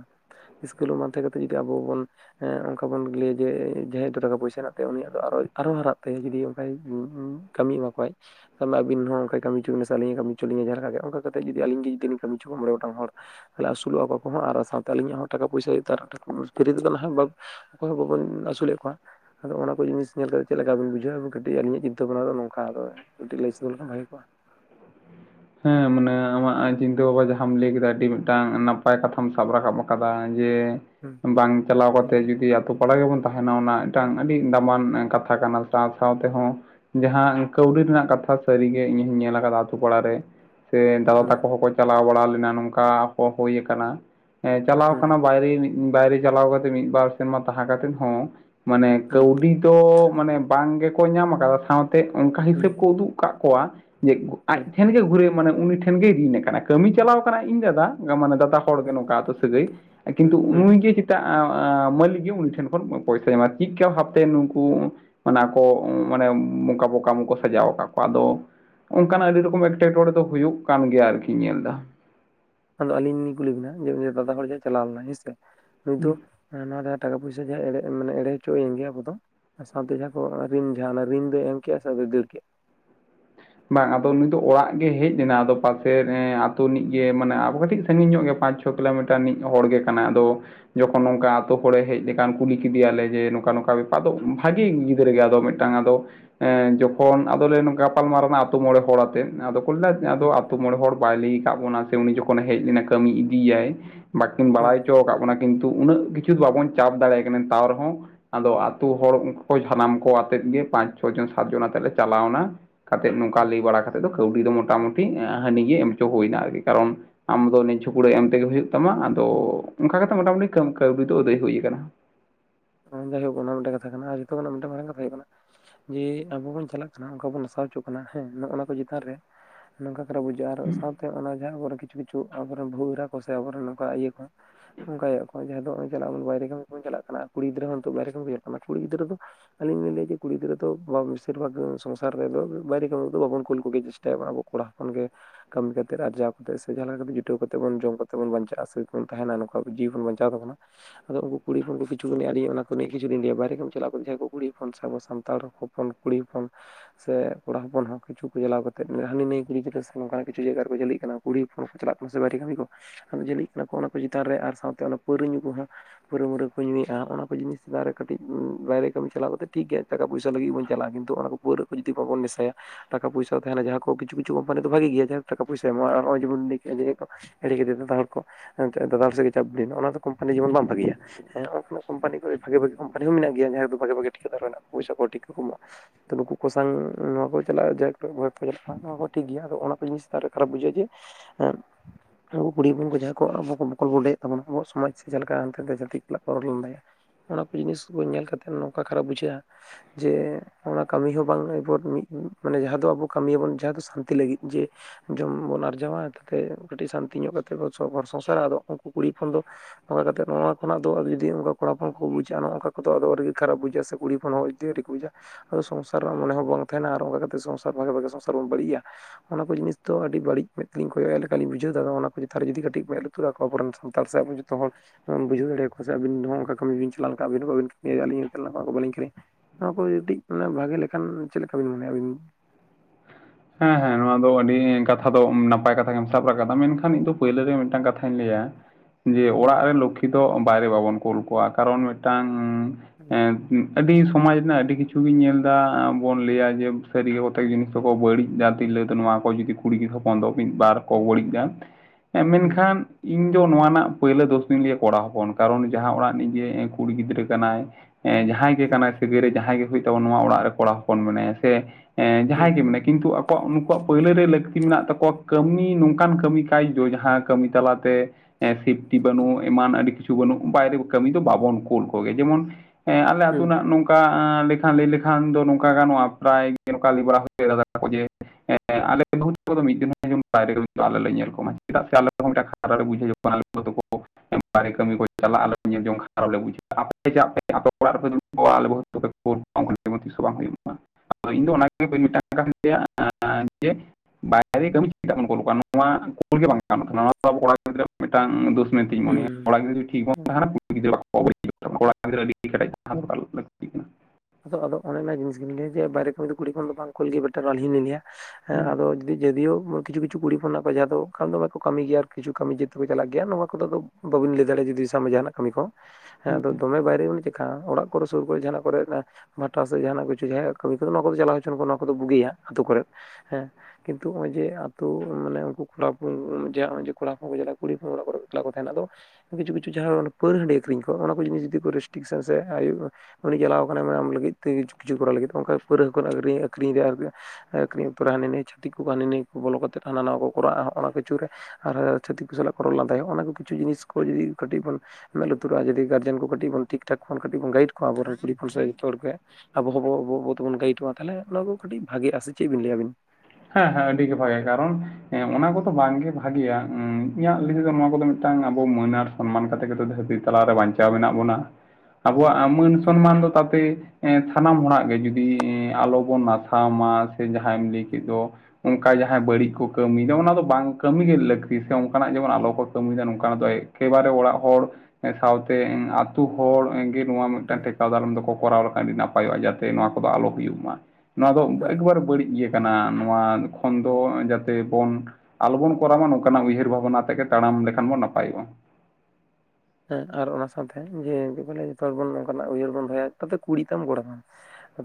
ᱥᱤᱥᱠᱟᱹᱦᱩᱞᱩᱝ ᱵᱟᱝ ᱛᱟᱦᱮ ᱠᱟᱛᱮ ᱡᱩᱫᱤ ᱟᱵᱚ ᱵᱚᱱ ᱦᱮᱸ ᱚᱱᱠᱟ ᱵᱚᱱ ᱞᱟᱹᱭᱟ ᱡᱮ ᱡᱟᱦᱟᱸᱭᱟᱜ ᱫᱚ ᱴᱟᱠᱟ ᱯᱚᱭᱥᱟ ᱦᱮᱱᱟᱜ ᱛᱟᱭᱟ ᱩᱱᱤᱭᱟᱜ ᱫᱚ ᱟᱨᱚ ᱟᱨᱚ ᱦᱟᱨᱟᱜ ᱛᱟᱭᱟ ᱡᱩᱫᱤ ᱚᱱᱠᱟᱭ ᱩᱸ ᱩᱸ ᱠᱟᱹᱢᱤ ᱮᱢᱟ ᱠᱚᱣᱟᱭ᱾ ᱠᱷᱟᱱ ᱫᱚ ᱟᱵᱤᱱ ᱦᱚᱸ ᱚᱱᱠᱟᱭ ᱠᱟᱹᱢᱤ ᱦᱚᱪᱚ ᱵᱤᱱᱟ ᱥᱮ ᱟᱹᱞᱤᱧᱮ ᱠᱟᱹᱢᱤ ᱚᱪᱚ ᱞᱤᱧᱟᱹ ᱡᱟᱦᱟᱸ ᱞᱮᱠᱟᱜᱮ ᱚᱱᱠᱟ ᱠᱟᱛᱮᱫ ᱡᱩᱫᱤ ᱟᱹᱞᱤᱧ ᱜᱮ ᱡᱩᱫᱤ ᱞᱤᱧ ᱠᱟᱹᱢᱤ ᱦᱚᱪᱚ ᱠᱚᱣᱟ ᱢᱚᱬᱮ ᱜᱚᱴᱟᱝ ᱦᱚᱲ ᱛᱟᱞᱦᱮ ᱟᱹᱥᱩᱞᱚᱜ-ᱟ ᱠᱚ ᱟᱠᱚ ᱦᱚᱸ ᱟᱨ ᱥᱟᱶᱛᱮ ᱟᱹᱞᱤᱧᱟᱜ ᱦᱚᱸ ᱴᱟᱠᱟ ᱯᱚᱭᱥᱟ ᱦᱩᱭᱩᱜ ᱛᱮ [inaudible] ᱯᱷᱨᱤ ᱛᱮᱫᱚ ᱱᱟᱦᱟᱜ ᱵᱟ ᱚᱠᱚᱭ ᱦᱚᱸ ᱵᱟᱵᱚᱱ ᱟᱹᱥᱩᱞᱮᱫ ᱠᱚᱣᱟ ᱟᱫᱚ ᱚᱱᱟ ᱠᱚ ᱡᱤᱱᱤᱥ ᱧᱮᱞ ᱠᱟᱛᱮᱫ ᱪᱮᱫ ᱞᱮᱠᱟᱵᱤᱱ ᱵᱩᱡᱷᱟᱹᱣᱟ ᱠᱟᱹᱴᱤᱡ ᱟᱹᱞᱤᱧᱟᱜ ᱪᱤᱱᱛᱟᱹ ᱵᱷᱟᱵᱱᱟ ᱫᱚ ᱱᱚ ᱠᱟ ᱟᱫᱚ ᱠᱟᱹᱴᱤᱡ ᱞᱟᱹᱭ ᱥᱚᱫᱚᱨ ᱞᱮᱠᱷᱟᱱ ᱵᱷᱟᱹᱜᱮ ᱠᱚᱜᱼᱟ᱾ ᱦᱮᱸ ᱢᱟᱱᱮ ᱟᱢᱟᱜ ᱪᱤᱱᱛᱟᱹ ᱵᱟᱵᱟ ᱡᱟᱦᱟᱢ ᱞᱟᱹᱭ ᱠᱮᱫᱟ ᱟᱹᱰᱤ ᱢᱤᱫᱴᱟᱝ ᱱᱟᱯᱟᱭ ᱠᱟᱛᱷᱟᱢ ᱥᱟᱵ ᱨᱟᱠᱟᱵ ᱟᱠᱟᱫᱟ ᱡᱮ ᱦᱩᱸ ᱵᱟᱝ ᱪᱟᱞᱟᱣ ᱠᱟᱛᱮ ᱡᱩᱫᱤ ᱟᱛᱳ ᱯᱟᱲᱟ ᱜᱮᱵᱚᱱ ᱛᱟᱦᱮᱱᱟ ᱚᱱᱟ ᱢᱤᱫᱴᱟᱝ ᱟᱹᱰᱤ ᱫᱟᱢᱟᱱ ᱮᱸ ᱠᱟᱛᱷᱟ ᱠᱟᱱᱟ ᱥᱟᱶ ᱥᱟᱶ ᱛᱮᱦᱚᱸ ᱡᱟᱦᱟᱸ ᱠᱟᱹᱣᱰᱤ ᱨᱮᱱᱟᱜ ᱠᱟᱛᱷᱟ ᱥᱟᱹᱨᱤᱜᱮ ᱤᱧ ᱦᱩᱧ ᱧᱮᱞ ᱟᱠᱟᱫᱟ ᱟᱹᱛᱩ ᱯᱟᱲᱟᱨᱮ᱾ ᱥᱮ ᱫᱟᱫᱟ ᱦᱩᱸ ᱛᱟᱠᱚ ᱦᱚᱸᱠᱚ ᱪᱟᱞᱟᱣ ᱵᱟᱲᱟ ᱞᱮᱱᱟ ᱱᱚᱝᱠᱟ ᱦᱚᱸ ᱦᱩᱭ ᱠᱟᱱᱟ᱾ ᱮᱸ ᱪᱟᱞᱟᱣ ᱦᱩᱸ ᱠᱟᱱᱟ ᱵᱟᱭᱨᱮ ᱢᱤᱫ ᱵᱟᱭᱨᱮ ᱪᱟᱞᱟᱣ ᱠᱟᱛᱮ ᱢᱤᱫ ᱵᱟᱨ ᱥᱮᱨᱢᱟ ᱛᱟᱦᱮᱸ ᱠᱟᱛᱮᱫ ᱦᱚᱸ, ᱢᱟᱱᱮ ᱦᱩᱸ ᱠᱟᱹᱣᱰᱤ ᱫᱚ ᱢᱟᱱᱮ ᱵᱟᱝ ᱜᱮᱠᱚ ᱧᱟᱢ ᱟᱠᱟᱫᱟ ᱥᱟᱶᱛᱮ ᱚᱱᱠᱟ ᱦᱩᱸ ᱦᱤᱥᱟᱹᱵ ᱠᱚ ᱩᱫᱩᱜ ᱠᱟᱜ ᱠᱚᱣᱟ ᱡᱮ, ᱟᱡ ᱦᱩᱸ ᱴᱷᱮᱱ ᱜᱮ ᱜᱷᱩᱨᱮ ᱢᱟᱱᱮ ᱩᱱᱤ ᱴᱷᱮᱱ ᱜᱮᱭ ᱨᱤᱱ ᱟᱠᱟᱱᱟ, ᱠᱟᱹᱢᱤ ᱪᱟᱞᱟᱣ ᱠᱟᱱᱟᱭ ᱤᱧ ᱫᱟᱫᱟ, ᱢᱟᱱᱮ ᱫᱟᱫᱟ ᱦ ᱦᱚᱲ ᱜᱮ ᱦᱩᱸ ᱱᱚᱝᱠᱟ ᱟᱹᱛᱩ ᱥᱟᱹᱜᱟᱹᱭ, ᱠᱤᱱᱛᱩ ᱦᱩᱸ ᱦᱩᱸ ᱩᱱᱩᱭ ᱜᱮ ᱡ ᱟᱣ ᱟᱣ ᱢᱟᱹᱞᱤᱠ ᱜᱮ ᱩᱱᱤ ᱴᱷᱮᱱ ᱠᱷᱚᱱ ᱯᱚᱭᱥᱟᱭ ᱧᱟᱢᱟ ᱪᱤᱼᱠᱟ ᱵᱷᱟᱵᱛᱮ ᱱᱩᱠᱩ ᱢᱟᱱᱮ ᱟᱠᱚ ᱩᱻ ᱢᱟᱱᱮ ᱚᱱᱠᱟ ᱵᱚᱸᱠᱟ ᱢᱚᱠᱚ ᱥᱟᱡᱟᱣ ᱟᱠᱟᱫ ᱠᱚᱣᱟ ᱟᱫᱚ ᱚᱱᱠᱟᱱᱟᱜ ᱟᱹᱰᱤ ᱨᱚᱠᱚᱢ ᱮᱸᱴᱠᱮᱴᱚᱲᱮ ᱫᱚ ᱦᱩᱭᱩᱜ ᱠᱟᱱ ᱜᱮᱭᱟ, ᱟᱨᱠᱤ ᱧᱮᱞ ᱫᱟ᱾ ᱟᱫᱚ ᱟᱹᱞᱤᱧ ᱞᱤᱧ ᱠᱩᱞᱤ ᱵᱤᱱᱟ, ᱡᱮ ᱩᱱᱤ ᱫᱟᱫᱟ ᱦᱚᱲ ᱜᱮ ᱪᱟᱞᱟᱣ ᱞᱮᱱᱟ ᱦᱮᱸᱥᱮ, ᱱᱩᱭ ᱫᱚ ᱱᱚᱣᱟ ᱡᱟᱦᱟᱸ ᱴᱟᱠᱟ ᱯᱚᱭᱥᱟ ᱡᱟᱦᱟᱸ ᱮᱲᱮ ᱢᱟᱱᱮ ᱮᱲᱮ ᱦᱚᱪᱚᱭᱮᱱ ᱜᱮ ᱟᱵᱚ ᱫᱚ, ᱥᱟᱶᱛᱮ ᱡᱟᱦᱟᱸ ᱠᱚ ᱨᱤᱱ, ᱡᱟᱦᱟᱸ ᱚᱱᱮ ᱨᱤᱱ ᱫᱚᱭ ᱮᱢ ᱠᱮᱫᱮᱜᱼᱟ ᱥᱮ ᱟᱫᱚᱭ ᱫᱟᱹᱲ ᱠᱮᱼᱟ? ᱵᱟᱝ ᱟᱫᱚ ᱱᱩᱭ ᱫᱚ ᱚᱲᱟᱜ ᱜᱮ ᱦᱮᱡ ᱞᱮᱱᱟ, ᱟᱫᱚ ᱯᱟᱥᱮ ᱮ ᱟᱹᱛᱩ ᱨᱤᱱᱤᱡ ᱜᱮ ᱢᱟᱱᱮ ᱟᱵ ᱠᱟᱹᱴᱤᱡ ᱥᱟᱺᱜᱤᱧ ᱧᱚᱜ ᱜᱮ ᱯᱟᱸᱪ ᱪᱷᱚ ᱠᱤᱞᱳᱢᱤᱴᱟᱨ ᱨᱤᱱᱤᱡ ᱦᱚᱲ ᱜᱮ ᱠᱟᱱᱟᱭ ᱟᱫᱚ, ᱡᱚᱠᱷᱚᱱ ᱱᱚᱝᱠᱟ ᱟᱹᱛᱳ ᱠᱚᱲᱮ ᱦᱮᱡ ᱞᱮᱠᱟᱱ, ᱠᱩᱞᱤ ᱠᱤᱫᱤᱭᱟᱞᱮ ᱡᱮ ᱱᱚᱝᱠᱟ ᱱᱚᱝᱠᱟ ᱵᱮᱯᱟᱨ, ᱟᱫᱚ ᱵᱷᱟᱜᱤ ᱜᱤᱫᱽᱨᱟᱹ ᱜᱮ ᱟᱫᱚ ᱢᱮᱫ ᱴᱟᱝ ᱟᱫᱚ ᱮᱻ ᱡᱚᱠᱷᱚᱱ ᱟᱫᱚᱞᱮ ᱱᱚᱝᱠᱟ ᱯᱟᱞᱢᱟᱨᱟᱣ ᱟᱹᱛᱩ ᱢᱚᱬᱮ ᱦᱚᱲ ᱟᱛᱮ, ᱟᱫᱚ ᱠᱩ ᱞᱟᱹᱭ ᱫᱟ ᱟᱫ ᱦᱮᱸ ᱟᱹᱛᱩ ᱢᱚᱬᱮ ᱦᱚᱲ ᱵᱟᱭ ᱞᱟᱹᱭ ᱠᱟᱜ ᱵᱚᱱᱟ, ᱡᱮ ᱩᱱᱤ ᱡᱚᱠᱷᱚᱱ ᱮ ᱦᱮᱡ ᱞᱮᱱᱟ ᱠᱟᱹᱢᱤ ᱤᱫᱤᱭᱟᱭ, ᱵᱟᱠᱤᱱ ᱵᱟᱲᱟᱭ ᱪᱚᱣ ᱠᱟᱜ ᱵᱚᱱᱟ ᱠᱤᱱᱛᱩ ᱩᱱᱟᱹᱜ ᱠᱤᱪᱷᱩ ᱫᱚ ᱵᱟᱵᱚᱱ ᱪᱟᱯ ᱫᱟᱲᱮᱭᱟᱭ ᱠᱟᱱᱟ, ᱛᱟᱣ ᱨᱮᱦᱚᱸ ᱟᱫᱚ ᱟᱹᱛᱩ ᱦᱚᱲ ᱚᱱᱠᱚ ᱥᱟᱱᱟᱢ ᱠᱚ ᱣᱟᱛᱮᱫ ᱜᱮ, ᱯᱟᱸᱪ ᱪᱷᱚ ᱡᱚᱱ ᱥᱟᱛ ᱡᱚᱱ ᱟᱛᱮᱫ ᱞᱮ ᱪᱟᱞᱟᱣᱱᱟ, ᱠᱟᱛᱮᱫ ᱱᱚᱝᱠᱟ ᱦᱮᱸ ᱞᱟᱹᱭ ᱵᱟᱲᱟ ᱠᱟᱛᱮᱫ ᱫᱚ ᱠᱟᱹᱣᱰᱤ ᱫᱚ, ᱢᱚᱴᱟᱢᱩᱴᱤ ᱦᱟᱹᱱᱤ ᱜᱮ ᱮᱢ ᱦᱚᱪᱚ ᱦᱩᱭᱱᱟ, ᱟᱨᱠᱤ ᱠᱟᱨᱚᱱ ᱟᱢ ᱫᱚ ᱱᱤᱪᱷᱩᱠᱩᱲᱟᱹᱭ ᱮᱢ ᱛᱮᱜᱮ ᱦᱩᱭᱩᱜ ᱛᱟᱢᱟ, ᱟᱫᱚ ᱚᱱᱠᱟ ᱠᱟᱛᱮᱜ ᱢᱚᱴᱟᱢᱩᱴᱤ ᱠᱟᱹᱣᱰᱤ ᱫᱚ ᱟᱹᱫᱟᱹᱭ ᱦᱩᱭ ᱠᱟᱱᱟ᱾ ᱡᱟᱭ ᱦᱳᱠ ᱚᱱᱟ ᱢᱤᱫᱴᱟᱜ ᱠᱟᱛᱷᱟ ᱠᱟᱱᱟ, ᱟᱨ ᱡᱚᱛᱚ ᱠᱷᱚᱱᱟᱜ ᱢᱤᱫᱴᱟᱝ ᱢᱟᱨᱟᱝ ᱠᱟᱛᱷᱟ ᱦᱳᱭᱳᱜ ᱠᱟᱱᱟ ᱡᱮ ᱟᱵᱚ ᱵᱚᱱ ᱪᱟᱞᱟᱜ ᱠᱟᱱᱟ, ᱚᱱᱠᱟ ᱵᱚᱱ ᱱᱟᱥᱟᱣ ᱦᱚᱪᱚᱜ ᱠᱟᱱᱟ ᱦᱮᱸ, ᱱᱚᱜ ᱱᱚᱣᱟ ᱠᱚ ᱪᱮᱛᱟᱱ ᱨᱮ ᱱᱚᱝᱠᱟ ᱠᱟᱱᱟ ᱵᱩᱡᱩ ᱟᱨ ᱥᱟᱶᱛᱮ ᱚᱱᱟ ᱡᱟᱦᱟᱸ ᱟᱵᱚ ᱨᱮᱱ ᱠᱤᱪᱷᱩ ᱠᱤᱪᱷᱩ ᱟᱵᱚᱨᱮᱱ ᱵᱟᱦᱩ ᱮᱨᱟ ᱠᱚ, ᱥᱮ ᱟᱵᱚᱨᱮᱱ ᱱᱚᱝᱠᱟ ᱤᱭᱟᱹ ᱠᱚ ᱝᱠᱟᱭᱚᱜ ᱠᱚ ᱡᱟᱦᱟᱸ ᱫᱚ ᱦᱚᱸᱜᱚᱭ ᱪᱟᱞᱟᱜ ᱵᱚᱱ ᱵᱟᱭᱨᱮ ᱠᱟᱹᱢᱤ ᱵᱚᱱ ᱪᱟᱞᱟᱜ ᱠᱟᱱᱟ, ᱠᱩᱲᱤ ᱜᱤᱫᱽᱨᱟᱹ ᱦᱚᱸ ᱱᱤᱛᱚᱜ ᱵᱟᱭᱨᱮ ᱠᱟᱹᱢᱤ ᱠᱚ ᱪᱟᱞᱟᱜ ᱠᱟᱱᱟ ᱠᱩᱲᱤ ᱜᱤᱫᱽᱨᱟᱹ ᱫᱚ ᱟᱞᱤᱧ ᱞᱤᱧ ᱞᱟᱹᱭᱟ ᱡᱮ, ᱠᱩᱲᱤ ᱜᱤᱫᱽᱨᱟᱹ ᱫᱚ ᱵᱟ ᱵᱮᱥᱤᱨ ᱵᱷᱟᱜᱽ ᱥᱚᱝᱥᱟᱨ ᱨᱮᱫᱚ ᱵᱟᱭᱨᱮ ᱠᱟᱹᱢᱤ ᱫᱚ ᱵᱟᱵᱚᱱ ᱠᱩᱞ ᱠᱚᱜᱮ ᱪᱮᱥᱴᱟᱭᱟ ᱟᱵᱚ᱾ ᱠᱚᱲᱟ ᱦᱚᱯᱚᱱ ᱜᱮ, ᱠᱟᱹᱢᱤ ᱠᱟ ᱠᱟᱛᱮᱫ ᱟᱨᱡᱟᱣ ᱠᱟᱛᱮᱫ, ᱥᱮ ᱡᱟᱦᱟᱸ ᱞᱮᱠᱟ ᱠᱟᱛᱮᱫ ᱡᱩᱴᱟᱹᱣ ᱠᱟᱛᱮᱜ ᱵᱚᱱ ᱡᱚᱢ ᱠᱟᱛᱮᱜ ᱵᱚᱱ ᱵᱟᱧᱪᱟᱜᱼᱟ, ᱥᱮ ᱵᱚᱱ ᱛᱟᱦᱮᱱᱟ ᱱᱚᱝᱠᱟ ᱡᱤᱣᱤ ᱵᱚᱱ ᱵᱟᱧᱪᱟᱣ ᱛᱟᱵᱚᱱᱟ᱾ ᱟᱫᱚ ᱩᱱᱠᱩ ᱠᱩᱲᱤ ᱦᱚᱯᱚᱱ [unintelligible] ᱠᱤᱪᱷᱩ ᱚᱱᱟ ᱠᱚ ᱱᱤᱭᱮ ᱠᱤᱪᱷᱩ ᱞᱤᱧ ᱞᱟᱹᱭᱟ ᱵᱟᱭᱨᱮ ᱠᱟᱹᱢᱤ ᱪᱟᱞᱟᱣ ᱠᱟᱛᱮ ᱡᱟᱦᱟᱸᱭ ᱠᱚ ᱠᱩᱲᱤ ᱦᱚᱯᱚᱱ, ᱟᱵᱚ ᱥᱟᱱᱛᱟᱲ ᱦᱚᱯᱚᱱ ᱠᱩᱲᱤ ᱦᱚᱯᱚᱱ, ᱥᱮ ᱠᱚᱲᱟ ᱦᱚᱯᱚᱱ ᱦᱚᱸ ᱠᱤᱪᱷᱩ ᱠᱚ ᱪᱟᱞᱟᱣ ᱠᱟᱛᱮᱜ, ᱦᱟᱱᱤ ᱱᱟᱭ ᱠᱩᱲᱤ ᱜᱤᱫᱽᱨᱟᱹ ᱥᱮ ᱱᱚᱝᱠᱟ ᱠᱤᱪᱷᱩ ᱡᱟᱭᱜᱟ ᱨᱮ ᱠᱚ ᱡᱷᱟᱹᱞᱤᱜ ᱠᱟᱱᱟ᱾ ᱠᱩᱲᱤ ᱦᱚᱯᱚᱱ ᱠᱚ ᱪᱟᱞᱟᱜ ᱠᱟᱱᱟ ᱥᱮ, ᱵᱟᱭᱨᱮ ᱠᱟᱹᱢᱤ ᱠᱚ, ᱟᱫᱚ ᱡᱷᱟᱹᱞᱤᱜ ᱠᱟᱱᱟ ᱠᱚ ᱚᱱᱟ ᱠᱚ ᱪᱮᱛᱟᱱ ᱨᱮ ᱟᱨ ᱥᱟᱶᱛᱮ ᱚᱱᱟ ᱯᱟᱹᱣᱨᱟᱹ ᱧᱩ ᱠᱚᱦᱚᱸ [unintelligible] ᱠᱚ ᱧᱩᱭᱮᱜᱼᱟ ᱚᱱᱟ ᱠᱚ ᱡᱤᱱᱤᱥ ᱪᱮᱛᱟᱱ ᱨᱮ ᱠᱟᱹᱴᱤᱡ, ᱵᱟᱭᱨᱮ ᱠᱟᱹᱢᱤ ᱪᱟᱞᱟᱣ ᱠᱟᱛᱮ ᱴᱷᱤᱠ ᱜᱮᱭᱟ ᱴᱟᱠᱟ ᱯᱚᱭᱥᱟ ᱞᱟᱹᱜᱤᱫ ᱵᱚᱱ ᱪᱟᱞᱟᱜ-ᱟ, ᱠᱤᱱᱛᱩ ᱚᱱᱟ ᱠᱚ ᱯᱟᱹᱣᱨᱟᱹ ᱠᱚ ᱡᱩᱫᱤ ᱵᱟᱵᱚᱱ ᱱᱮᱥᱟᱭᱟ, ᱴᱟᱠᱟ ᱯᱩᱭᱥᱟᱹ ᱛᱟᱦᱮᱱᱟ ᱡᱟᱦᱟᱸ ᱠᱚ ᱠᱩᱪᱷᱩ ᱠᱤᱪᱷᱩ ᱠᱚᱢᱟᱱᱤ ᱫᱚ ᱵᱷᱟᱜᱤ ᱜᱤᱭᱟ, ᱡᱟᱦᱟᱸ ᱴᱟᱠᱟ ᱯᱚᱭᱥᱟᱭ ᱮᱢᱚᱜ ᱟᱨ ᱱᱚᱜ-ᱚᱭ ᱡᱮᱵᱚᱱ ᱞᱟᱹᱭ ᱠᱮᱫ ᱡᱮ ᱮᱲᱮ ᱜᱮ ᱫᱟᱫᱟ ᱦᱚᱲ ᱠᱚ ᱫᱟᱫᱟ ᱦᱚᱲ ᱥᱮᱫ ᱜᱮ ᱪᱟᱯ ᱱᱟ, ᱚᱱᱟ ᱫᱚ ᱠᱳᱢᱯᱟᱱᱤ ᱡᱮᱢᱚᱱ ᱵᱟᱝ ᱵᱷᱟᱹᱜᱮᱭᱟ᱾ ᱦᱮᱸ ᱚᱱᱠᱟᱱᱟᱜ ᱠᱳᱢᱯᱟᱱᱤ ᱠᱚ ᱵᱷᱟᱜᱤ ᱵᱷᱟᱜᱤ ᱠᱚᱢᱯᱟᱱᱤ ᱦᱚᱸ ᱢᱤᱱᱟᱜ ᱜᱮᱭᱟ, ᱡᱟᱦᱟᱸ ᱫᱚ ᱵᱷᱟᱜᱤ ᱵᱷᱟᱜᱤ ᱴᱤᱠᱟᱹ ᱫᱟᱨ ᱢᱮᱱᱟᱜ ᱠᱚᱣᱟ ᱯᱚᱭᱥᱟ ᱠᱚ ᱴᱤᱠᱷᱟᱹ ᱠᱚ ᱮᱢᱚᱜ-ᱟ᱾ ᱛᱳ ᱱᱩᱠᱩ ᱠᱚ ᱥᱟᱝ ᱱᱚᱣᱟ ᱠᱚ ᱪᱟᱞᱟᱜ-ᱟ ᱡᱟᱦᱟᱸᱟᱭ ᱠᱚᱨᱮ ᱵᱷᱚᱭ ᱠᱚ ᱪᱟᱞᱟᱜ-ᱟ, ᱱᱚᱣᱟ ᱠᱚ ᱴᱷᱤᱠ ᱜᱮᱭᱟ, ᱟᱫᱚ ᱚᱱᱟ ᱠᱚ ᱡᱤᱱᱤᱥ ᱪᱮᱛᱟᱱ ᱨᱮ ᱠᱷᱟᱨᱯ ᱵᱩᱡᱷᱟᱹᱜ-ᱟ ᱡᱮ ᱮ ᱟᱵᱚ ᱠᱩᱲᱤ ᱦᱚᱯᱚᱱ ᱠᱚ ᱡᱟᱦᱟᱸ ᱠᱚ, ᱟᱵᱚᱠᱚ ᱵᱚᱠᱚᱞ ᱵᱟᱰᱮ ᱮᱫ ᱛᱟᱵᱚᱱᱟ ᱟᱵᱚᱣᱟᱜ ᱥᱚᱢᱟᱡ, ᱥᱮ ᱪᱮ ᱞᱮᱠᱟ ᱦᱟᱱᱛᱮ [unintelligible] ᱥᱟᱞᱟᱜ ᱠᱚ ᱨᱚᱲ ᱞᱟᱸᱫᱟᱭᱟ, ᱚᱱᱟ ᱠᱚ ᱡᱤᱱᱤᱥ ᱠᱚ ᱧᱮᱞ ᱠᱟ ᱠᱟᱛᱮᱫ, ᱱᱚᱝᱠᱟ ᱠᱷᱟᱨᱟᱯ ᱵᱩᱡᱷᱟᱹᱜ-ᱟ ᱡᱮ, ᱚᱱᱟ ᱠᱟᱹᱢᱤ ᱦᱚᱸ ᱵᱟᱝ ᱮᱨᱯᱚᱨ ᱢᱤᱫ ᱢᱤ ᱢᱟᱱᱮ ᱡᱟᱦᱟᱸ ᱫᱚ, ᱟᱵ ᱠᱟᱹᱢᱤᱭᱟ ᱵᱚᱱ ᱡᱟᱦᱟ ᱫᱚ ᱥᱟᱱᱛᱤ ᱞᱟᱹᱜᱤᱫ ᱡᱮ, ᱡᱚᱢ ᱵᱚᱱ ᱟᱨᱡᱟᱣᱟ ᱛᱮ ᱛᱮ ᱠᱟᱹᱴᱤᱡ ᱥᱟᱱᱛᱤ ᱧᱚᱜ ᱠᱟᱛᱮᱫ ᱵᱚᱱ ᱜᱷᱚᱨ ᱥᱚᱝᱥᱟᱨᱟ, ᱟᱫᱚ ᱩᱱᱠᱩ ᱠᱩᱲᱤ ᱦᱚᱯᱚᱱ ᱫᱚ [inaudible] ᱠᱟᱛᱮᱜ ᱱᱚᱣᱟ ᱠᱷᱚᱱᱟᱜ ᱟᱫᱚ ᱡᱩᱫᱤ ᱚᱱᱠᱟ ᱠᱚᱲᱟ ᱦᱚᱯᱚᱱ ᱠᱚ ᱵᱩᱡ-ᱟ, ᱱᱚᱝᱠᱟ ᱠᱚᱫᱚ ᱟᱹᱰᱤ ᱠᱷᱟᱨᱟᱯ ᱵᱩᱡᱷᱟᱹᱜ ᱟᱥᱮ ᱠᱩᱲᱤ ᱦᱚᱯᱚᱱ ᱦᱳᱭ ᱛᱮ ᱟᱹᱣᱨᱤ ᱠᱚ ᱵᱩᱡᱟ᱾ ᱟᱫᱚ ᱥᱚᱝᱥᱟᱨ ᱨᱮ ᱢᱚᱱᱮ ᱦᱚᱸ ᱵᱟᱝ ᱛᱟᱦᱮᱱᱟ, ᱟᱨ ᱚᱱᱠᱟ ᱠᱟᱛᱮ ᱥᱚᱝᱥᱟᱨ ᱵᱷᱟᱜᱮ ᱵᱷᱟᱜᱮ ᱥᱚᱝᱥᱟᱨ ᱵᱚᱱ ᱵᱟᱹᱲᱤᱡᱜ-ᱟ᱾ ᱚᱱᱟ ᱠᱚ ᱡᱤᱱᱤᱥ ᱫᱚ ᱟᱹᱰᱤ ᱵᱟᱹᱲᱤᱡ, ᱢᱮᱫ ᱛᱮᱞᱤᱧ ᱠᱚᱭᱚᱜ ᱮᱜ ᱞᱮᱠᱟᱞᱤᱧ ᱵᱩᱡᱷᱟᱹᱣᱫᱟ, ᱟᱫᱚ ᱚᱱᱟ ᱠᱚ ᱪᱮᱛᱟᱱ ᱨᱮ ᱡᱚᱫᱤ ᱠᱟᱹᱴᱤᱡ ᱢᱮᱫ ᱞᱩ [inaudible] ᱟᱵᱚᱨᱮᱱ ᱥᱟᱱᱛᱟᱲ ᱥᱮ ᱟᱵᱚ ᱡᱚᱛᱚ ᱦᱚᱲ ᱵᱩᱡᱷᱟᱹᱣ ᱫᱟᱲᱮ ᱟᱠᱚ ᱯᱟᱥᱮᱜ ᱟᱵᱤᱱ ᱫᱚ ᱦᱟᱸᱜ ᱚᱱᱠᱟ ᱠᱟᱹᱢᱤ ᱵᱤᱱ ᱪᱟᱞᱟ ᱞᱮᱱᱠᱷᱟᱡ ᱟᱹᱵᱤᱱ ᱦᱚᱸ ᱵᱟᱵᱤᱱ ᱠᱤᱧ ᱟᱹᱞᱤᱧ ᱠᱷᱮᱞ [unintelligible] ᱱᱚᱣᱟ ᱠᱚ ᱠᱟᱹᱴᱤᱡᱽ ᱢᱟᱱᱮ ᱵᱷᱟᱜᱮ ᱞᱮᱠᱷᱟᱱ ᱪᱮᱫ ᱞᱮᱠᱟ ᱵᱤᱱ ᱢᱚᱱᱮᱭᱟ ᱟᱹᱵᱤᱱ᱾ ᱦᱮᱸ ᱦᱮᱸ ᱱᱚᱣᱟ ᱫᱚ ᱟᱹᱰᱤ ᱠᱟᱛᱷᱟ ᱫᱚ ᱱᱟᱯᱟᱭ ᱠᱟᱛᱷᱟ ᱜᱮᱢ ᱥᱟᱵᱽ ᱨᱟᱠᱟᱫᱟ ᱢᱮᱱᱠᱷᱟᱱ ᱤᱧ ᱫᱚ ᱯᱳᱭᱞᱳ ᱨᱮ ᱢᱤᱫᱴᱟᱝ ᱠᱟᱛᱷᱟᱧ ᱞᱟᱹᱭᱟ᱾ [inaudible] ᱡᱮ ᱚᱲᱟᱜ ᱨᱮᱱ ᱞᱚᱠᱠᱷᱤ ᱫᱚ ᱵᱟᱭᱨᱮ ᱵᱟᱵᱚᱱ ᱠᱳᱞ ᱠᱚᱣᱟ ᱠᱟᱨᱚᱱ ᱢᱤᱫᱴᱟᱝ ᱦᱩᱸ ᱮᱸ ᱟᱹᱰᱤ ᱥᱚᱢᱟᱡᱽ ᱨᱮᱱᱟᱜ ᱟᱹᱰᱤ ᱠᱤᱪᱷᱩ ᱜᱤᱧ ᱧᱮᱞ ᱮᱫᱟ ᱵᱚᱱ ᱞᱟᱹᱭᱟ ᱡᱮ ᱥᱟᱹᱨᱤᱜᱮ ᱯᱚᱛᱮᱠ ᱡᱤᱱᱤᱥ ᱫᱚᱠᱚ ᱵᱟᱹᱲᱤᱡ ᱡᱟᱹᱛᱤ ᱞᱟᱹᱭ ᱛᱮ ᱱᱚᱣᱟ ᱠᱚ ᱡᱩᱫᱤ ᱠᱩᱲᱤ [inaudible] ᱦᱚᱯᱚᱱ ᱫᱚ, ᱢᱤᱫ ᱵᱟᱨ ᱠᱚ ᱵᱟᱹᱲᱤᱡ ᱜᱟᱱ ᱦᱩᱸ ᱢᱮᱱᱠᱷᱟᱱ ᱤᱧ ᱫᱚ ᱱᱚᱣᱟ ᱨᱮᱱᱟᱜ ᱯᱳᱭᱞᱳ ᱫᱳᱥ ᱫᱩᱧ ᱞᱟᱹᱭᱟ ᱠᱚᱲᱟ ᱦᱚᱯᱚᱱ, ᱠᱟᱨᱚᱱ ᱡᱟᱦᱟᱸ ᱚᱲᱟᱜ ᱨᱮᱱᱤᱡ ᱜᱮ ᱠᱩᱲᱤ ᱜᱤᱫᱽᱨᱟᱹ ᱠᱟᱱᱟᱭ᱾ ᱮᱸ ᱡᱟᱦᱟᱸᱭ ᱜᱮ ᱦᱩᱸ ᱠᱟᱱᱟᱭ ᱥᱟᱹᱜᱟᱹᱭ ᱨᱮ ᱡᱟᱦᱟᱸᱭ ᱜᱮ ᱦᱩᱭᱩᱜ ᱛᱟᱵᱚᱱ ᱱᱚᱣᱟ ᱚᱲᱟᱜ ᱨᱮ ᱠᱚᱲᱟ ᱦᱚᱸᱯᱚᱱ ᱢᱮᱱᱟᱭᱟ ᱥᱮ ᱮᱻ ᱦᱩᱸ ᱡᱟᱦᱟᱸᱭ ᱜᱮ ᱢᱮᱱ ᱠᱤᱱᱛᱩ ᱠᱚᱣᱟᱜ ᱱᱩᱠᱩᱣᱟᱜ ᱯᱳᱭᱞᱳ ᱨᱮ ᱞᱟᱹᱠᱛᱤ ᱢᱮᱱᱟᱜ ᱛᱟᱠᱚᱣᱟ ᱠᱟᱹᱢᱤ ᱱᱚᱝᱠᱟᱱ ᱠᱟᱹᱢᱤ ᱠᱟᱡ ᱡᱟᱦᱟᱸ ᱠᱟᱹᱢᱤ ᱛᱟᱞᱟᱛᱮ᱾ [inaudible] [inaudible] ᱵᱟᱹᱱᱩᱜ ᱮᱢᱟᱱ ᱟᱹᱰᱤ ᱠᱤᱪᱷᱩ ᱵᱟᱹᱱᱩᱜ ᱵᱟᱭᱨᱮ ᱠᱟᱹᱢᱤ ᱫᱚ ᱦᱩᱸ ᱵᱟᱵᱚᱱ ᱠᱳᱞ ᱠᱚᱜᱮ ᱡᱮᱢᱚᱱ ᱮ ᱟᱞᱮ ᱦᱩᱸ ᱟᱛᱳ ᱨᱮᱱᱟᱜ ᱱᱚᱝᱠᱟ ᱱᱚᱝᱠᱟ ᱞᱮᱠᱷᱟᱱ ᱞᱟᱹᱭ ᱞᱮᱠᱷᱟᱱ ᱫᱚ ᱱᱚᱝᱠᱟ ᱜᱟᱱᱚᱜ-ᱟ ᱯᱨᱟᱭ ᱜᱮ ᱱᱚᱝᱠᱟ ᱞᱟᱹᱭ ᱵᱟᱲᱟ ᱫᱟ ᱠᱚ ᱡᱮ᱾ [unintelligible] ᱪᱮᱫᱟᱜ ᱥᱮ ᱟᱞᱮ᱾ [unintelligible] ᱮ ᱵᱟᱭᱨᱮ ᱠᱟᱹᱢᱤ ᱠᱚ ᱪᱟᱞᱟᱜ ᱟᱞᱮ ᱧᱮᱞ ᱡᱚᱝ ᱠᱷᱟᱱ ᱠᱷᱟᱨᱟᱵᱽ ᱞᱮ ᱵᱩᱡᱷᱟᱹᱣᱟ [unintelligible] ᱠᱚᱣᱟ ᱟᱞᱮ ᱵᱟᱦᱩ ᱛᱟᱠᱚ ᱠᱳᱞ ᱠᱚᱢ [unintelligible] [unintelligible] ᱵᱟᱭᱨᱮ ᱠᱟᱹᱢᱤ ᱪᱮᱫᱟᱜ ᱵᱚᱱ ᱠᱳᱞ ᱠᱚᱣᱟ ᱱᱚᱣᱟ ᱠᱳᱩᱞᱜᱮ ᱵᱟᱝ ᱜᱟᱱᱚᱜ ᱱᱚᱣᱟ ᱫᱚ ᱟᱵᱚ ᱠᱚᱲᱟ ᱜᱤᱫᱽᱨᱟᱹ ᱢᱤᱫᱴᱟᱝ ᱢᱮᱱᱛᱤᱧ ᱢᱚᱱᱮᱭᱟ ᱦᱩᱸ ᱠᱚᱲᱟ ᱜᱤᱫᱽᱨᱟᱹ ᱴᱷᱤᱠ ᱵᱚᱱ ᱦᱩᱸ ᱛᱟᱦᱮᱸᱱᱟ ᱠᱩᱲᱤ ᱜᱤᱫᱽᱹᱲᱟ ᱜᱤᱫᱽᱨᱟᱹ ᱟᱹᱰᱤ ᱫᱚ [unintelligible] ᱟᱫᱚ ᱟᱫᱚ ᱚᱱᱮ ᱨᱮᱱᱟᱜ ᱡᱤᱱᱤᱥ ᱜᱮᱞᱤᱧ ᱞᱟᱹᱭᱟ ᱡᱮ ᱵᱟᱭᱨᱮ ᱠᱚᱢᱤ ᱫᱚ ᱠᱩᱲᱤ ᱦᱚᱯᱚᱱ ᱫᱚ ᱵᱟᱝ ᱠᱳᱞ ᱜᱮ ᱵᱮᱴᱟᱨ ᱟᱞᱤᱧ ᱦᱚᱸᱞᱤᱧ ᱞᱟᱹᱭᱟᱸ ᱦᱮᱸ ᱦᱩᱸ ᱟᱫᱚ ᱡᱳᱫᱤᱭᱳ ᱠᱤᱪᱷᱩ ᱠᱤᱪᱷᱩ ᱠᱩᱲᱤ ᱦᱚᱯᱚᱱ ᱢᱮᱱᱟᱜ ᱠᱚ ᱡᱟᱦᱟᱸ ᱫᱚ ᱠᱷᱟᱱ ᱫᱚᱢᱮ ᱠᱚ ᱠᱟᱹᱢᱤ ᱜᱮᱭᱟ ᱟᱨ ᱠᱤᱪᱷᱩ ᱠᱟᱹᱢᱤ ᱡᱮᱦᱮᱸᱛᱩ ᱠᱚ ᱪᱟᱞᱟᱜ ᱜᱮᱭᱟ ᱱᱚᱣᱟ ᱠᱚᱫᱚ᱾ ᱟᱫᱚ ᱵᱤᱱ ᱞᱟᱹᱭ ᱫᱟᱲᱮ-ᱟ ᱡᱩᱫᱤ ᱥᱟᱢ ᱢᱮ ᱡᱟᱦᱟᱱᱟᱜ ᱠᱟᱹᱢᱤ ᱠᱚ᱾ ᱦᱮᱸ ᱟᱫᱚ ᱫᱚᱢᱮ ᱵᱟᱭᱨᱮ ᱢᱟᱱᱮ ᱪᱮᱫᱠᱟ-ᱟ ᱚᱲᱟᱜ ᱠᱚᱨᱮ ᱥᱩᱨ ᱠᱚᱨᱮ ᱡᱟᱦᱟᱸᱱᱟᱜ ᱠᱚᱨᱮ ᱚᱱᱟ ᱵᱷᱟᱴᱟ ᱥᱮ ᱡᱟᱦᱟᱱᱟᱜ ᱠᱤᱪᱷᱩ ᱡᱟᱦᱟᱸᱭᱟᱜ ᱠᱟᱹᱢᱤ ᱠᱚ ᱱᱚᱣᱟ ᱠᱚᱫᱚ ᱪᱟᱞᱟᱣ ᱦᱚᱪᱚᱱ ᱠᱚ ᱱᱚᱣᱟ ᱠᱚᱫᱚ ᱵᱩᱜᱤᱭᱟ ᱟᱹᱛᱩ ᱠᱚᱨᱮᱜ ᱦᱮᱸ᱾ ᱠᱤᱱᱛᱩ ᱱᱚᱜ-ᱚᱭ ᱡᱮ ᱟᱹᱛᱩ ᱢᱟᱱᱮ ᱩᱱᱠᱩ ᱠᱚᱲᱟ ᱦᱚᱯᱚᱱ ᱡᱮ ᱠᱚᱲᱟ ᱦᱚᱯᱚᱱ ᱠᱚ ᱪᱟ ᱠᱟᱱᱟ ᱠᱩᱲᱤ ᱦᱚᱯᱚᱱ ᱚᱲᱟᱜ ᱠᱚᱨᱮ ᱮᱠᱞᱟ ᱠᱚ ᱛᱟᱦᱮᱸᱱᱟ ᱟᱫᱚ ᱠᱤᱪᱷᱩ ᱠᱤᱪᱷᱩ ᱡᱟᱦᱟᱸ ᱯᱟᱹᱨᱩᱣᱟᱹ ᱦᱟᱺᱰᱤ ᱟᱹᱠᱷᱨᱤᱧ ᱠᱚ ᱚᱱᱟ ᱠᱚ ᱡᱤᱱᱤᱥ ᱡᱩᱫᱤ ᱠᱚ ᱨᱮᱥᱴᱨᱤᱠᱥᱟ ᱥᱮ ᱟᱭᱩ ᱩᱱᱤ ᱪᱟᱞᱟᱣ [unintelligible] ᱞᱟᱹᱜᱤᱫ ᱛᱮ ᱠᱤᱪᱷᱩ ᱠᱤᱪᱷᱩ ᱠᱚᱨᱟᱣ ᱞᱟᱹᱜᱤᱫ ᱚᱱᱠᱟ ᱯᱟᱹᱣᱨᱟᱹ ᱠᱚ ᱟᱣᱨᱤ ᱟᱹᱠᱷᱨᱤᱧ ᱨᱮ ᱟᱨᱠᱤ᱾ ᱟᱹᱠᱷᱨᱤᱧ ᱛᱚᱨᱟ ᱦᱟᱹᱱᱤ ᱱᱟᱹᱭ ᱪᱷᱟᱹᱛᱤᱠ ᱠᱚ ᱦᱟᱹᱱᱤ ᱱᱟᱹᱭ ᱠᱚ ᱵᱚᱞᱚ ᱠᱟᱛᱮᱜ ᱦᱟᱱᱟ ᱱᱟᱣᱟ ᱠᱚᱨᱟᱣᱟᱜ-ᱟ ᱚᱱᱟ ᱠᱤᱪᱷᱩ ᱨᱮ ᱟᱨ ᱪᱷᱟᱹᱛᱤᱠ ᱠᱚ ᱥᱟᱞᱟᱜ ᱠᱚ ᱨᱚᱲ ᱞᱟᱸᱱᱫᱟᱭᱟ ᱚᱱᱟ ᱠᱚ ᱠᱤᱪᱷᱩ ᱡᱤᱱᱤᱥ ᱠᱚ ᱡᱩᱫᱤ ᱠᱟᱹᱴᱤᱡ ᱵᱚᱱ ᱢᱮᱫᱽ ᱞᱩᱛᱩᱨᱟᱜ-ᱟ ᱡᱩᱫᱤ ᱜᱟᱨᱡᱮᱱ ᱠᱚ ᱠᱟᱹᱴᱤᱡᱽ ᱴᱷᱤᱠ ᱴᱷᱟᱠ ᱠᱟᱹᱴᱤᱡ ᱵᱚᱱ ᱜᱟᱭᱤᱰ ᱠᱚᱣᱟ ᱟᱵᱚᱨᱮᱱ ᱠᱩᱲᱤ᱾ ᱥᱮ ᱡᱷᱛᱚ ᱦᱚᱲᱜ ᱜᱮ ᱟᱵᱚ ᱦᱚᱸ ᱵᱚ ᱟᱵᱚ ᱟᱵᱚ ᱛᱮᱵᱚᱱ ᱜᱟᱭᱤᱰᱚᱜ-ᱟ ᱛᱟᱦᱚᱸᱞᱮ ᱚᱱᱟ ᱠᱚ ᱠᱟᱹᱴᱤᱡ ᱵᱷᱟᱜᱮᱜ-ᱟ ᱥᱮ ᱪᱮᱫ ᱵᱤᱱ ᱞᱟᱹᱭᱟ ᱵᱤᱱ᱾ ᱦᱮᱸ ᱦᱮᱸ ᱟᱹᱰᱤ ᱜᱮ ᱵᱷᱟᱜᱮ ᱠᱟᱨᱚᱱ, ᱦᱮᱸ ᱚᱱᱟ ᱠᱚᱫᱚ ᱵᱟᱝᱜᱮ ᱵᱷᱟᱜᱮᱭᱟ ᱤᱧᱟᱹᱜ ᱞᱟᱹᱭ ᱛᱮᱫᱚ ᱱᱚᱣᱟ ᱠᱚᱫᱚ ᱢᱤᱫᱴᱟᱝ ᱟᱵᱚ ᱢᱟᱹᱱᱟ ᱥᱚᱱᱢᱟᱱ ᱠᱟᱛᱮ ᱜᱮ ᱛᱚ ᱫᱷᱟᱹᱨᱛᱤ ᱛᱟᱞᱟᱨᱮ ᱵᱟᱸᱧᱪᱟᱣ ᱢᱮᱱᱟᱜ ᱵᱚᱱᱟ᱾ [inaudible] ᱟᱵᱚᱣᱟᱜ-ᱟ ᱢᱟᱹᱱ ᱦᱩᱸ ᱥᱚᱱᱢᱟᱱ ᱫᱚ ᱛᱟᱛᱮ, ᱮ ᱥᱟᱱᱟᱢ ᱦᱚᱲᱟᱜ ᱜᱮ ᱡᱩᱫᱤ ᱟᱞᱚᱵᱚᱱ ᱱᱟᱛᱷᱟ ᱢᱟ ᱥᱮ ᱡᱟᱦᱟᱸᱭ ᱫᱚ ᱩᱱᱠᱩ [unintelligible] ᱚᱱᱠᱟ ᱡᱟᱦᱟᱸᱭ ᱵᱟᱹᱲᱤᱡ ᱠᱚ ᱠᱟᱹᱢᱤᱭᱮᱫᱟ ᱚᱱᱟ ᱫᱚ ᱵᱟᱝ ᱠᱟᱹᱢᱤ ᱜᱮ ᱞᱟᱹᱠᱛᱤ ᱥᱮ ᱚᱱᱠᱟᱱᱟᱜ ᱡᱮᱢᱚᱱ ᱟᱞᱚ ᱠᱚ ᱠᱟᱹᱢᱤᱭᱮᱫᱟ ᱱᱚᱝᱠᱟᱱᱟᱜ ᱫᱚ ᱮᱠᱮᱵᱟᱨᱮ ᱚᱲᱟᱜ ᱦᱚᱲ ᱮ ᱥᱟᱶᱛᱮ ᱮ ᱟᱛᱩ ᱦᱚᱲ ᱜᱮ ᱱᱚᱣᱟ ᱢᱤᱫᱴᱟᱱ ᱦᱩᱸ ᱦᱮᱸ ᱴᱮᱠᱟᱣ ᱫᱟᱨᱟᱢ ᱫᱚᱠᱚ ᱠᱚᱨᱟᱣ ᱞᱮᱠᱷᱟᱱ ᱟᱹᱰᱤ ᱱᱟᱯᱟᱭᱚᱜ-ᱟ ᱡᱟᱛᱮ ᱱᱚᱣᱟ ᱠᱚᱫᱚ ᱟᱞᱚ ᱦᱩᱭᱩᱜ ᱢᱟ᱾ ᱱᱚᱣᱟ ᱫᱚ ᱦᱮᱸ ᱮᱠᱵᱟᱨ ᱵᱟᱹᱲᱤᱡ ᱤᱭᱟᱹ ᱠᱟᱱᱟ ᱱᱚᱣᱟ ᱠᱷᱚᱱ ᱫᱚ ᱡᱟᱛᱮ ᱵᱚᱱ ᱟᱞᱚᱵᱚᱱ ᱠᱚᱨᱣᱟ ᱱᱚᱝᱠᱟᱱ ᱟᱜ ᱩᱭᱦᱟᱹᱨ ᱵᱷᱟᱵᱽᱱᱟ ᱛᱮᱜᱮ ᱛᱟᱲᱟᱢ ᱞᱮᱠᱷᱟᱱ ᱵᱚᱱ ᱱᱟᱯᱟᱭᱚᱜᱼᱟ᱾ ᱦᱮᱸ ᱟᱨ ᱚᱱᱟ ᱥᱟᱶᱛᱮ ᱡᱮ ᱡᱚᱛᱚ ᱱᱚᱝᱠᱟᱱ ᱟᱜ ᱩᱭᱦᱟᱹᱨ ᱵᱚᱱ ᱫᱚᱦᱚᱭᱟ ᱠᱩᱲᱤ ᱛᱟᱢ ᱠᱚᱲᱟ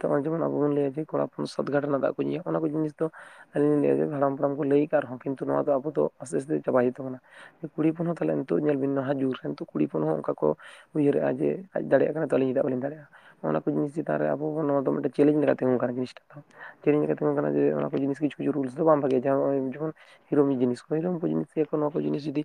ᱛᱟᱢ ᱟᱫᱚᱜ ᱡᱮᱢᱚᱱ ᱟᱵᱚᱱ ᱞᱟᱹᱭᱟ ᱡᱮ ᱠᱚᱲᱟ ᱦᱚᱯᱚᱱ ᱥᱟᱛ ᱜᱷᱟᱴ ᱨᱮᱱᱟᱜ ᱫᱟᱜ ᱠᱚ ᱧᱩᱭᱟ, ᱚᱱᱟ ᱠᱚ ᱡᱤᱱᱤᱥ ᱫᱚ ᱟᱞᱤ ᱞᱤᱧ ᱦᱟᱲᱟᱢ ᱯᱟᱲᱟᱢ ᱠᱚ ᱞᱟᱹᱭ ᱟᱠᱟᱫ ᱨᱮᱦᱚᱸ, ᱠᱤᱱᱛᱩ ᱱᱚᱣᱟ ᱫᱚ ᱟᱵᱚ ᱫᱚ ᱟᱥᱛᱮ ᱟᱥᱛᱮ ᱪᱟᱵᱟ ᱦᱩᱭᱩᱜ ᱛᱟᱵᱚᱱᱟ ᱛᱟᱵᱚᱱᱟ ᱠᱩᱲᱤ ᱦᱚᱯᱚᱱ ᱦᱚᱸ ᱛᱟᱦᱚᱞᱮ ᱱᱤᱛᱚᱜ ᱧᱮᱞ ᱵᱤᱱ ᱱᱟᱦᱟᱜ ᱡᱩᱜᱽ ᱨᱮ ᱠᱩᱲᱤᱯᱚᱱ ᱦᱚᱸ ᱚᱱᱠᱟ ᱠᱚ ᱩᱭᱦᱟᱹᱨᱮᱜᱼᱟ᱾ ᱡᱮ ᱟᱡᱽ ᱫᱟᱲᱭᱟᱜ ᱠᱟᱱᱟ ᱛᱚ ᱟᱹᱞᱤᱧ ᱪᱮᱫᱟᱜ ᱵᱟᱹᱞᱤᱧ ᱫᱟᱲᱮᱭᱟᱜᱼᱟ ᱱᱚᱣᱟ ᱠᱚ ᱡᱤᱱᱤᱥ ᱪᱮᱛᱟᱱ ᱨᱮ ᱟᱵᱚ ᱦᱚᱱᱟᱠᱚ ᱱᱚᱣᱟ ᱫᱚ ᱢᱤᱫᱮᱱ ᱪᱮᱞᱮᱡᱽ ᱞᱮᱠᱟ [unintelligible] ᱛᱤᱸᱜᱩ ᱠᱟᱱᱟ ᱡᱤᱥᱴᱟ ᱫᱚ᱾ ᱪᱮᱞᱮᱧᱤᱧ ᱞᱮᱠᱟ ᱛᱤᱜᱩᱱ ᱠᱟᱱᱟ ᱡᱮ ᱚᱱᱟ ᱠᱚ ᱡᱤᱱᱤᱥ ᱠᱤᱪᱷᱩ ᱠᱤᱪᱷᱩ ᱨᱩᱞᱥ ᱫᱚ ᱵᱟᱝ ᱵᱷᱟᱜᱮᱭᱟ ᱡᱮᱢᱚᱱ ᱦᱤᱨᱳᱢ ᱡᱤᱱᱤᱥ ᱠᱚ᱾ ᱦᱤᱨᱳᱚᱢ ᱠᱚᱣᱟ ᱡᱤᱱᱤᱥ ᱱᱚᱣᱟ ᱠᱚ᱾ ᱡᱤᱱᱤᱥ ᱡᱩᱫᱤ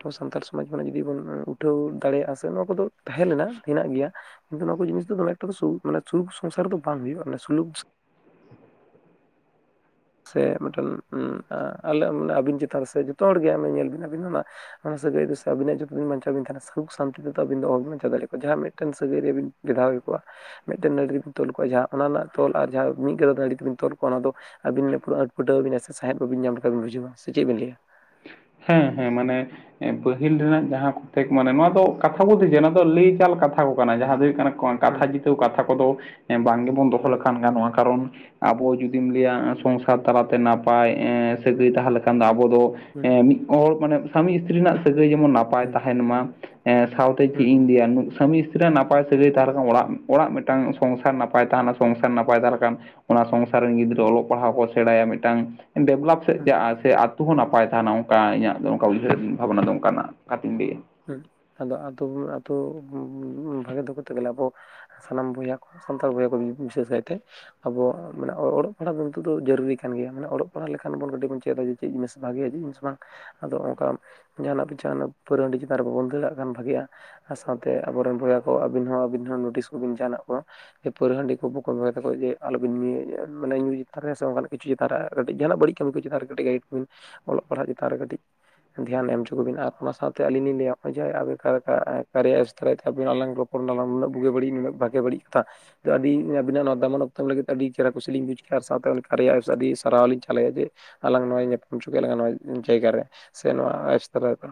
ᱟᱵᱚ ᱥᱟᱱᱛᱟᱲ ᱥᱚᱢᱟᱡᱽ ᱡᱩᱫᱤ ᱵᱚᱱ ᱩᱴᱷᱟᱹᱣ ᱫᱟᱲᱮᱭᱟᱜᱼᱟ᱾ ᱥᱮ ᱱᱚᱣᱟ ᱠᱚᱫᱚ ᱛᱟᱦᱮᱸ ᱞᱮᱱᱟ ᱦᱮᱱᱟᱜ ᱜᱮᱭᱟ᱾ ᱠᱤᱱᱛᱩ ᱱᱚᱣᱟ ᱠᱚ ᱡᱤᱱᱤᱥ ᱫᱚ ᱫᱚᱢᱮ ᱮᱠᱴᱟ ᱫᱚ ᱢᱟᱱᱮ ᱥᱩᱞᱩᱠ ᱥᱚᱝᱥᱟᱨ ᱫᱚ ᱵᱟᱝ ᱦᱩᱭᱩᱜᱼᱟ᱾ ᱥᱩᱞᱩᱠ [inaudible] ᱥᱮ ᱢᱤᱫᱴᱮᱱ ᱩᱸ ᱟᱸ ᱟᱞᱮᱟᱱᱮ ᱟᱹᱵᱤᱱ ᱪᱮᱛᱟᱱ ᱥᱮ ᱡᱚᱛᱚ ᱦᱚᱲᱜᱮ ᱧᱮᱞ ᱵᱤᱱ ᱟᱹᱵᱤᱱ ᱚᱱᱟ ᱚᱱᱟ ᱥᱟᱹᱭᱤᱱ ᱫᱚ ᱟᱵᱤᱱᱟᱜ ᱡᱚᱠᱚᱱ ᱥᱩᱠ ᱥᱟᱱᱛᱤ ᱛᱮᱫᱚ ᱥᱵᱤᱱ ᱫᱚ ᱚᱦᱤᱱ ᱵᱟᱧᱪᱟ ᱫᱟᱲᱮᱭᱟᱜ ᱠᱚᱣᱟ ᱡᱟᱦᱟᱸ ᱢᱤᱫᱴᱮᱱ ᱥᱟᱹᱜᱟᱹᱭ ᱨᱮᱵᱤᱱ ᱵᱷᱮᱫᱷᱟᱣᱮᱫ ᱠᱚᱣᱟ ᱢᱤᱫᱴᱮᱱ ᱱᱟᱹᱲᱤ ᱛᱮᱵᱮᱱ ᱛᱚᱞ ᱠᱚᱣᱟ ᱡᱟᱦᱟᱸ ᱚᱱᱟ ᱨᱮᱱᱟᱜ ᱛᱚᱞ ᱟᱨ ᱡᱟᱦᱟᱸ ᱢᱤᱫ ᱜᱟᱫᱟ ᱱᱟᱲᱤ ᱛᱮᱵᱮᱱ ᱛᱚᱞ ᱠᱚᱣᱟ ᱚᱱᱟ ᱫᱚ᱾ ᱟᱹᱵᱤᱱ ᱯᱩᱨᱟᱹ [unintelligible] ᱯᱟᱹᱴᱟᱹᱣᱵᱤ ᱥᱮᱸᱫ ᱵᱟᱵᱤᱱ ᱧᱟᱢ ᱞᱮᱟᱱ ᱵᱤᱱ ᱵᱩᱡᱷᱟᱹ ᱥᱮ ᱪᱮᱫ ᱵᱤᱱ ᱞᱭᱟ ᱦᱮᱸ ᱦᱮᱸ ᱢᱟᱱᱮ? ᱯᱟᱹᱦᱤᱞ ᱨᱮᱱᱟᱜ ᱡᱟᱦᱟᱸ ᱠᱚᱛᱮᱠ ᱢᱟᱱᱮ ᱱᱚᱣᱟ ᱫᱚ ᱠᱟᱛᱷᱟ ᱫᱤᱡᱟ ᱱᱚᱣᱟ ᱫᱚ ᱞᱟᱹᱭ ᱪᱟᱞ ᱠᱟᱛᱷᱟ ᱠᱚ ᱠᱟᱱᱟ ᱡᱟᱦᱟᱸ ᱫᱚ ᱦᱩᱭᱩᱜ ᱠᱟᱱᱟ ᱦᱩᱸ ᱠᱟᱛᱷᱟ ᱡᱤᱛᱟᱹᱣ ᱠᱟᱛᱷᱟ ᱠᱚᱫᱚ ᱵᱟᱝ ᱜᱮᱵᱚᱱ ᱫᱚᱦᱚ ᱦᱩᱸ ᱞᱮᱠᱷᱟᱱ ᱜᱟᱱᱚᱜᱼᱟ᱾ ᱠᱟᱨᱚᱱ ᱟᱵᱚ ᱡᱩᱫᱤᱢ ᱞᱟᱹᱭᱟ ᱥᱚᱝᱥᱟᱨ ᱛᱟᱞᱟᱛᱮ ᱱᱟᱯᱟᱭ ᱮᱸ ᱥᱟᱹᱜᱟᱹᱭ ᱛᱟᱦᱚᱞᱮ ᱠᱷᱟᱱ ᱫᱚ ᱟᱵᱚ ᱫᱚ᱾ ᱦᱩᱸ ᱮᱸ ᱢᱤᱫ ᱦᱚ ᱢᱟᱱᱮ ᱥᱟᱢᱤ ᱤᱥᱛᱤᱨᱤ ᱨᱮᱱᱟᱜ ᱥᱟᱹᱜᱟᱹᱭ ᱡᱮᱢᱚᱱ ᱱᱟᱯᱟᱭ ᱱᱟᱯᱟᱭ ᱦᱩᱸ ᱛᱟᱦᱮᱱ ᱢᱟ ᱥᱟᱶᱛᱮ ᱪᱤᱫ ᱦᱩᱸ ᱤᱧ ᱞᱟᱹᱭᱟ ᱥᱟᱢᱤ ᱱᱟᱯᱟᱭ ᱥᱟᱹᱜᱟᱹᱭ ᱛᱟᱦᱮᱸᱞᱮᱠᱷᱟ ᱚᱲᱟᱜ ᱚᱲᱟᱜ ᱢᱤᱫᱴᱟᱝ ᱥᱚᱝᱥᱟᱨ ᱱᱟᱯᱟᱭ ᱛᱟᱦᱮᱱᱟ᱾ ᱥᱚᱝᱥᱟᱨ ᱱᱟᱯᱟᱭ ᱛᱟᱦᱚᱞᱮ ᱠᱷᱟᱱ ᱚᱱᱟ ᱥᱚᱝᱥᱟᱨ ᱨᱮᱱ ᱜᱤᱫᱽᱨᱟᱹ ᱚᱞᱚᱜ ᱯᱟᱲᱦᱟᱣ ᱠᱚ ᱥᱮᱬᱟᱭᱟ ᱢᱤᱫᱴᱟᱝ ᱰᱮᱵᱷᱞᱚᱯ ᱥᱮᱫ ᱦᱩᱸ ᱪᱟᱜ ᱥᱮ ᱟᱛᱦ ᱦᱚᱸ ᱱᱟᱯᱟᱭ ᱛᱟᱦᱮᱱᱟ᱾ ᱚᱝᱠᱟ ᱤᱧᱟᱹᱜ ᱫᱚ ᱚᱱᱠᱟ ᱩᱭᱦᱟᱹᱨ ᱵᱷᱟᱵᱽᱱᱟ ᱫᱚ ᱚᱱᱠᱟᱱᱟᱜ ᱠᱟᱛᱷᱟᱧ ᱞᱟᱹᱭᱟ᱾ ᱦᱩᱸ ᱟᱫ ᱟᱫ ᱟᱫ ᱵᱷᱟᱜᱮ ᱫᱚ ᱠᱟᱛᱮ ᱜᱮᱞᱮ ᱟᱵᱳ ᱥᱟᱱᱟᱢ ᱵᱚᱭᱦᱟ ᱠᱚ ᱥᱟᱱᱛᱟᱲ ᱵᱚᱭᱦᱟ ᱠᱚ ᱵᱤᱥᱮᱥᱟᱭ ᱛᱮ᱾ ᱟᱵᱚ ᱢᱟᱱᱮ ᱚᱲᱚᱜ ᱯᱟᱲᱦᱟᱜ ᱫᱚ ᱱᱤᱛᱚᱜ ᱫᱚ ᱡᱟᱹᱨᱩᱨᱤ ᱠᱟᱱ ᱜᱮᱭᱟ᱾ ᱢᱟᱱᱮ ᱚᱲᱚᱜ ᱯᱟᱲᱦᱟᱜ ᱞᱮᱠᱷᱟᱱ ᱵᱚᱱ ᱠᱟᱹᱴᱤᱡ ᱵᱚᱱ ᱪᱮᱫᱟ ᱪᱮᱫ ᱡᱤᱱᱤᱥ ᱵᱷᱟᱜᱮᱭᱟ ᱪᱮᱫ ᱡᱤᱱᱤᱥ ᱵᱟᱝ᱾ ᱟᱫᱚ ᱚᱱᱠᱟ ᱡᱟᱦᱱᱟᱜ ᱯᱮᱪᱷᱟᱱ ᱯ ᱫᱟᱨ ᱵᱟᱵᱚᱱ ᱫᱟᱹᱲᱟᱜ ᱠᱷᱟᱱ, ᱵᱷᱟᱜᱤᱼᱟ᱾ ᱟᱨ ᱥᱟᱶᱛᱮ ᱟᱵᱚᱨᱮᱱ ᱵᱚᱭᱦᱟ ᱠᱚ ᱟᱵᱤᱱ ᱦᱚᱸ ᱟᱵᱤᱱ ᱦᱚᱸ ᱱᱳᱴᱤᱥ ᱠᱚᱵᱤᱱ ᱡᱟᱦᱱᱟᱜ ᱠᱚ᱾ ᱡᱮ ᱯᱟᱹᱨᱭᱟ. ᱦᱟᱺᱰᱤ ᱠᱚ ᱵᱟᱠᱚ ᱵᱚᱭᱦᱟ ᱛᱟᱠᱚᱣᱟ ᱡᱮ ᱟᱞᱚᱵᱤᱱ ᱧᱩᱭᱟ ᱢᱟᱱᱮ ᱧᱩ ᱪᱮᱛᱟᱱ ᱨᱮ ᱥᱮ ᱚᱜᱠᱟᱱᱟᱜ ᱠᱤᱪᱷᱩ ᱪᱮᱛᱟᱱ ᱨᱮ ᱠᱟᱹᱴᱤᱡ ᱡᱟᱦᱟᱱᱟᱜ ᱵᱟᱹᱲᱤᱡ ᱠᱟᱹᱢᱤ ᱠᱚ ᱪᱮᱛᱟᱱ ᱨᱮ ᱠᱟᱹ ᱜᱟᱭᱤᱰ ᱠᱚ ᱵᱤᱱ ᱚᱞᱚᱜ ᱯᱟᱲᱦᱟᱜ ᱪᱮᱛᱟᱱ ᱨᱮ ᱠᱟᱹᱴᱤᱡ ᱫᱷᱮᱭᱟᱱ ᱮᱢ ᱦᱚᱪᱚ ᱠᱚᱵᱤᱱ ᱟᱨ ᱚᱱᱟ ᱥᱟᱶᱛᱮ ᱟᱹᱞᱤᱧ ᱞᱤᱧ [unintelligible] ᱫᱟᱨᱟᱭ ᱛᱮ ᱮᱯᱥ ᱟᱞᱟᱝ ᱨᱚᱚᱲ ᱱᱟᱞᱟᱝ ᱩᱱᱟᱹᱜ ᱵᱩᱜᱤ ᱵᱟᱹᱲᱤᱡ ᱱᱩᱱᱟᱹᱜ ᱵᱷᱟᱜᱮ ᱵᱟᱹᱲᱤᱡ ᱠᱟᱛᱷᱟ᱾ ᱟᱹᱰᱤ ᱟᱵᱤᱱᱟᱜ ᱱᱚᱣᱟ ᱫᱟᱢᱟᱱ ᱚᱠᱛᱚ ᱮᱢ ᱞᱟᱹᱜᱤᱫ ᱟᱹᱰᱤ ᱪᱮᱦᱨᱟ ᱠᱩᱥᱤ ᱞᱤᱧ ᱵᱩᱡ ᱠᱮᱼᱟ᱾ ᱟᱨ ᱥᱟᱶᱛᱮ ᱩᱱᱤ ᱠᱟᱭᱨᱟ ᱮᱯᱥ ᱟᱹᱰᱤ ᱥᱟᱨᱦᱟᱣᱤᱧ ᱪᱟᱞᱮᱭᱟ ᱡᱮ ᱟᱞᱟᱝ ᱱᱚ ᱧᱟᱯᱟᱢ ᱚᱪᱚ ᱠᱮᱞᱟᱝ ᱱᱚᱣᱟ ᱡᱟᱭᱜᱟ ᱨᱮ ᱥᱮ ᱱᱚᱣᱟ ᱟᱥᱛᱟᱞ ᱨᱮ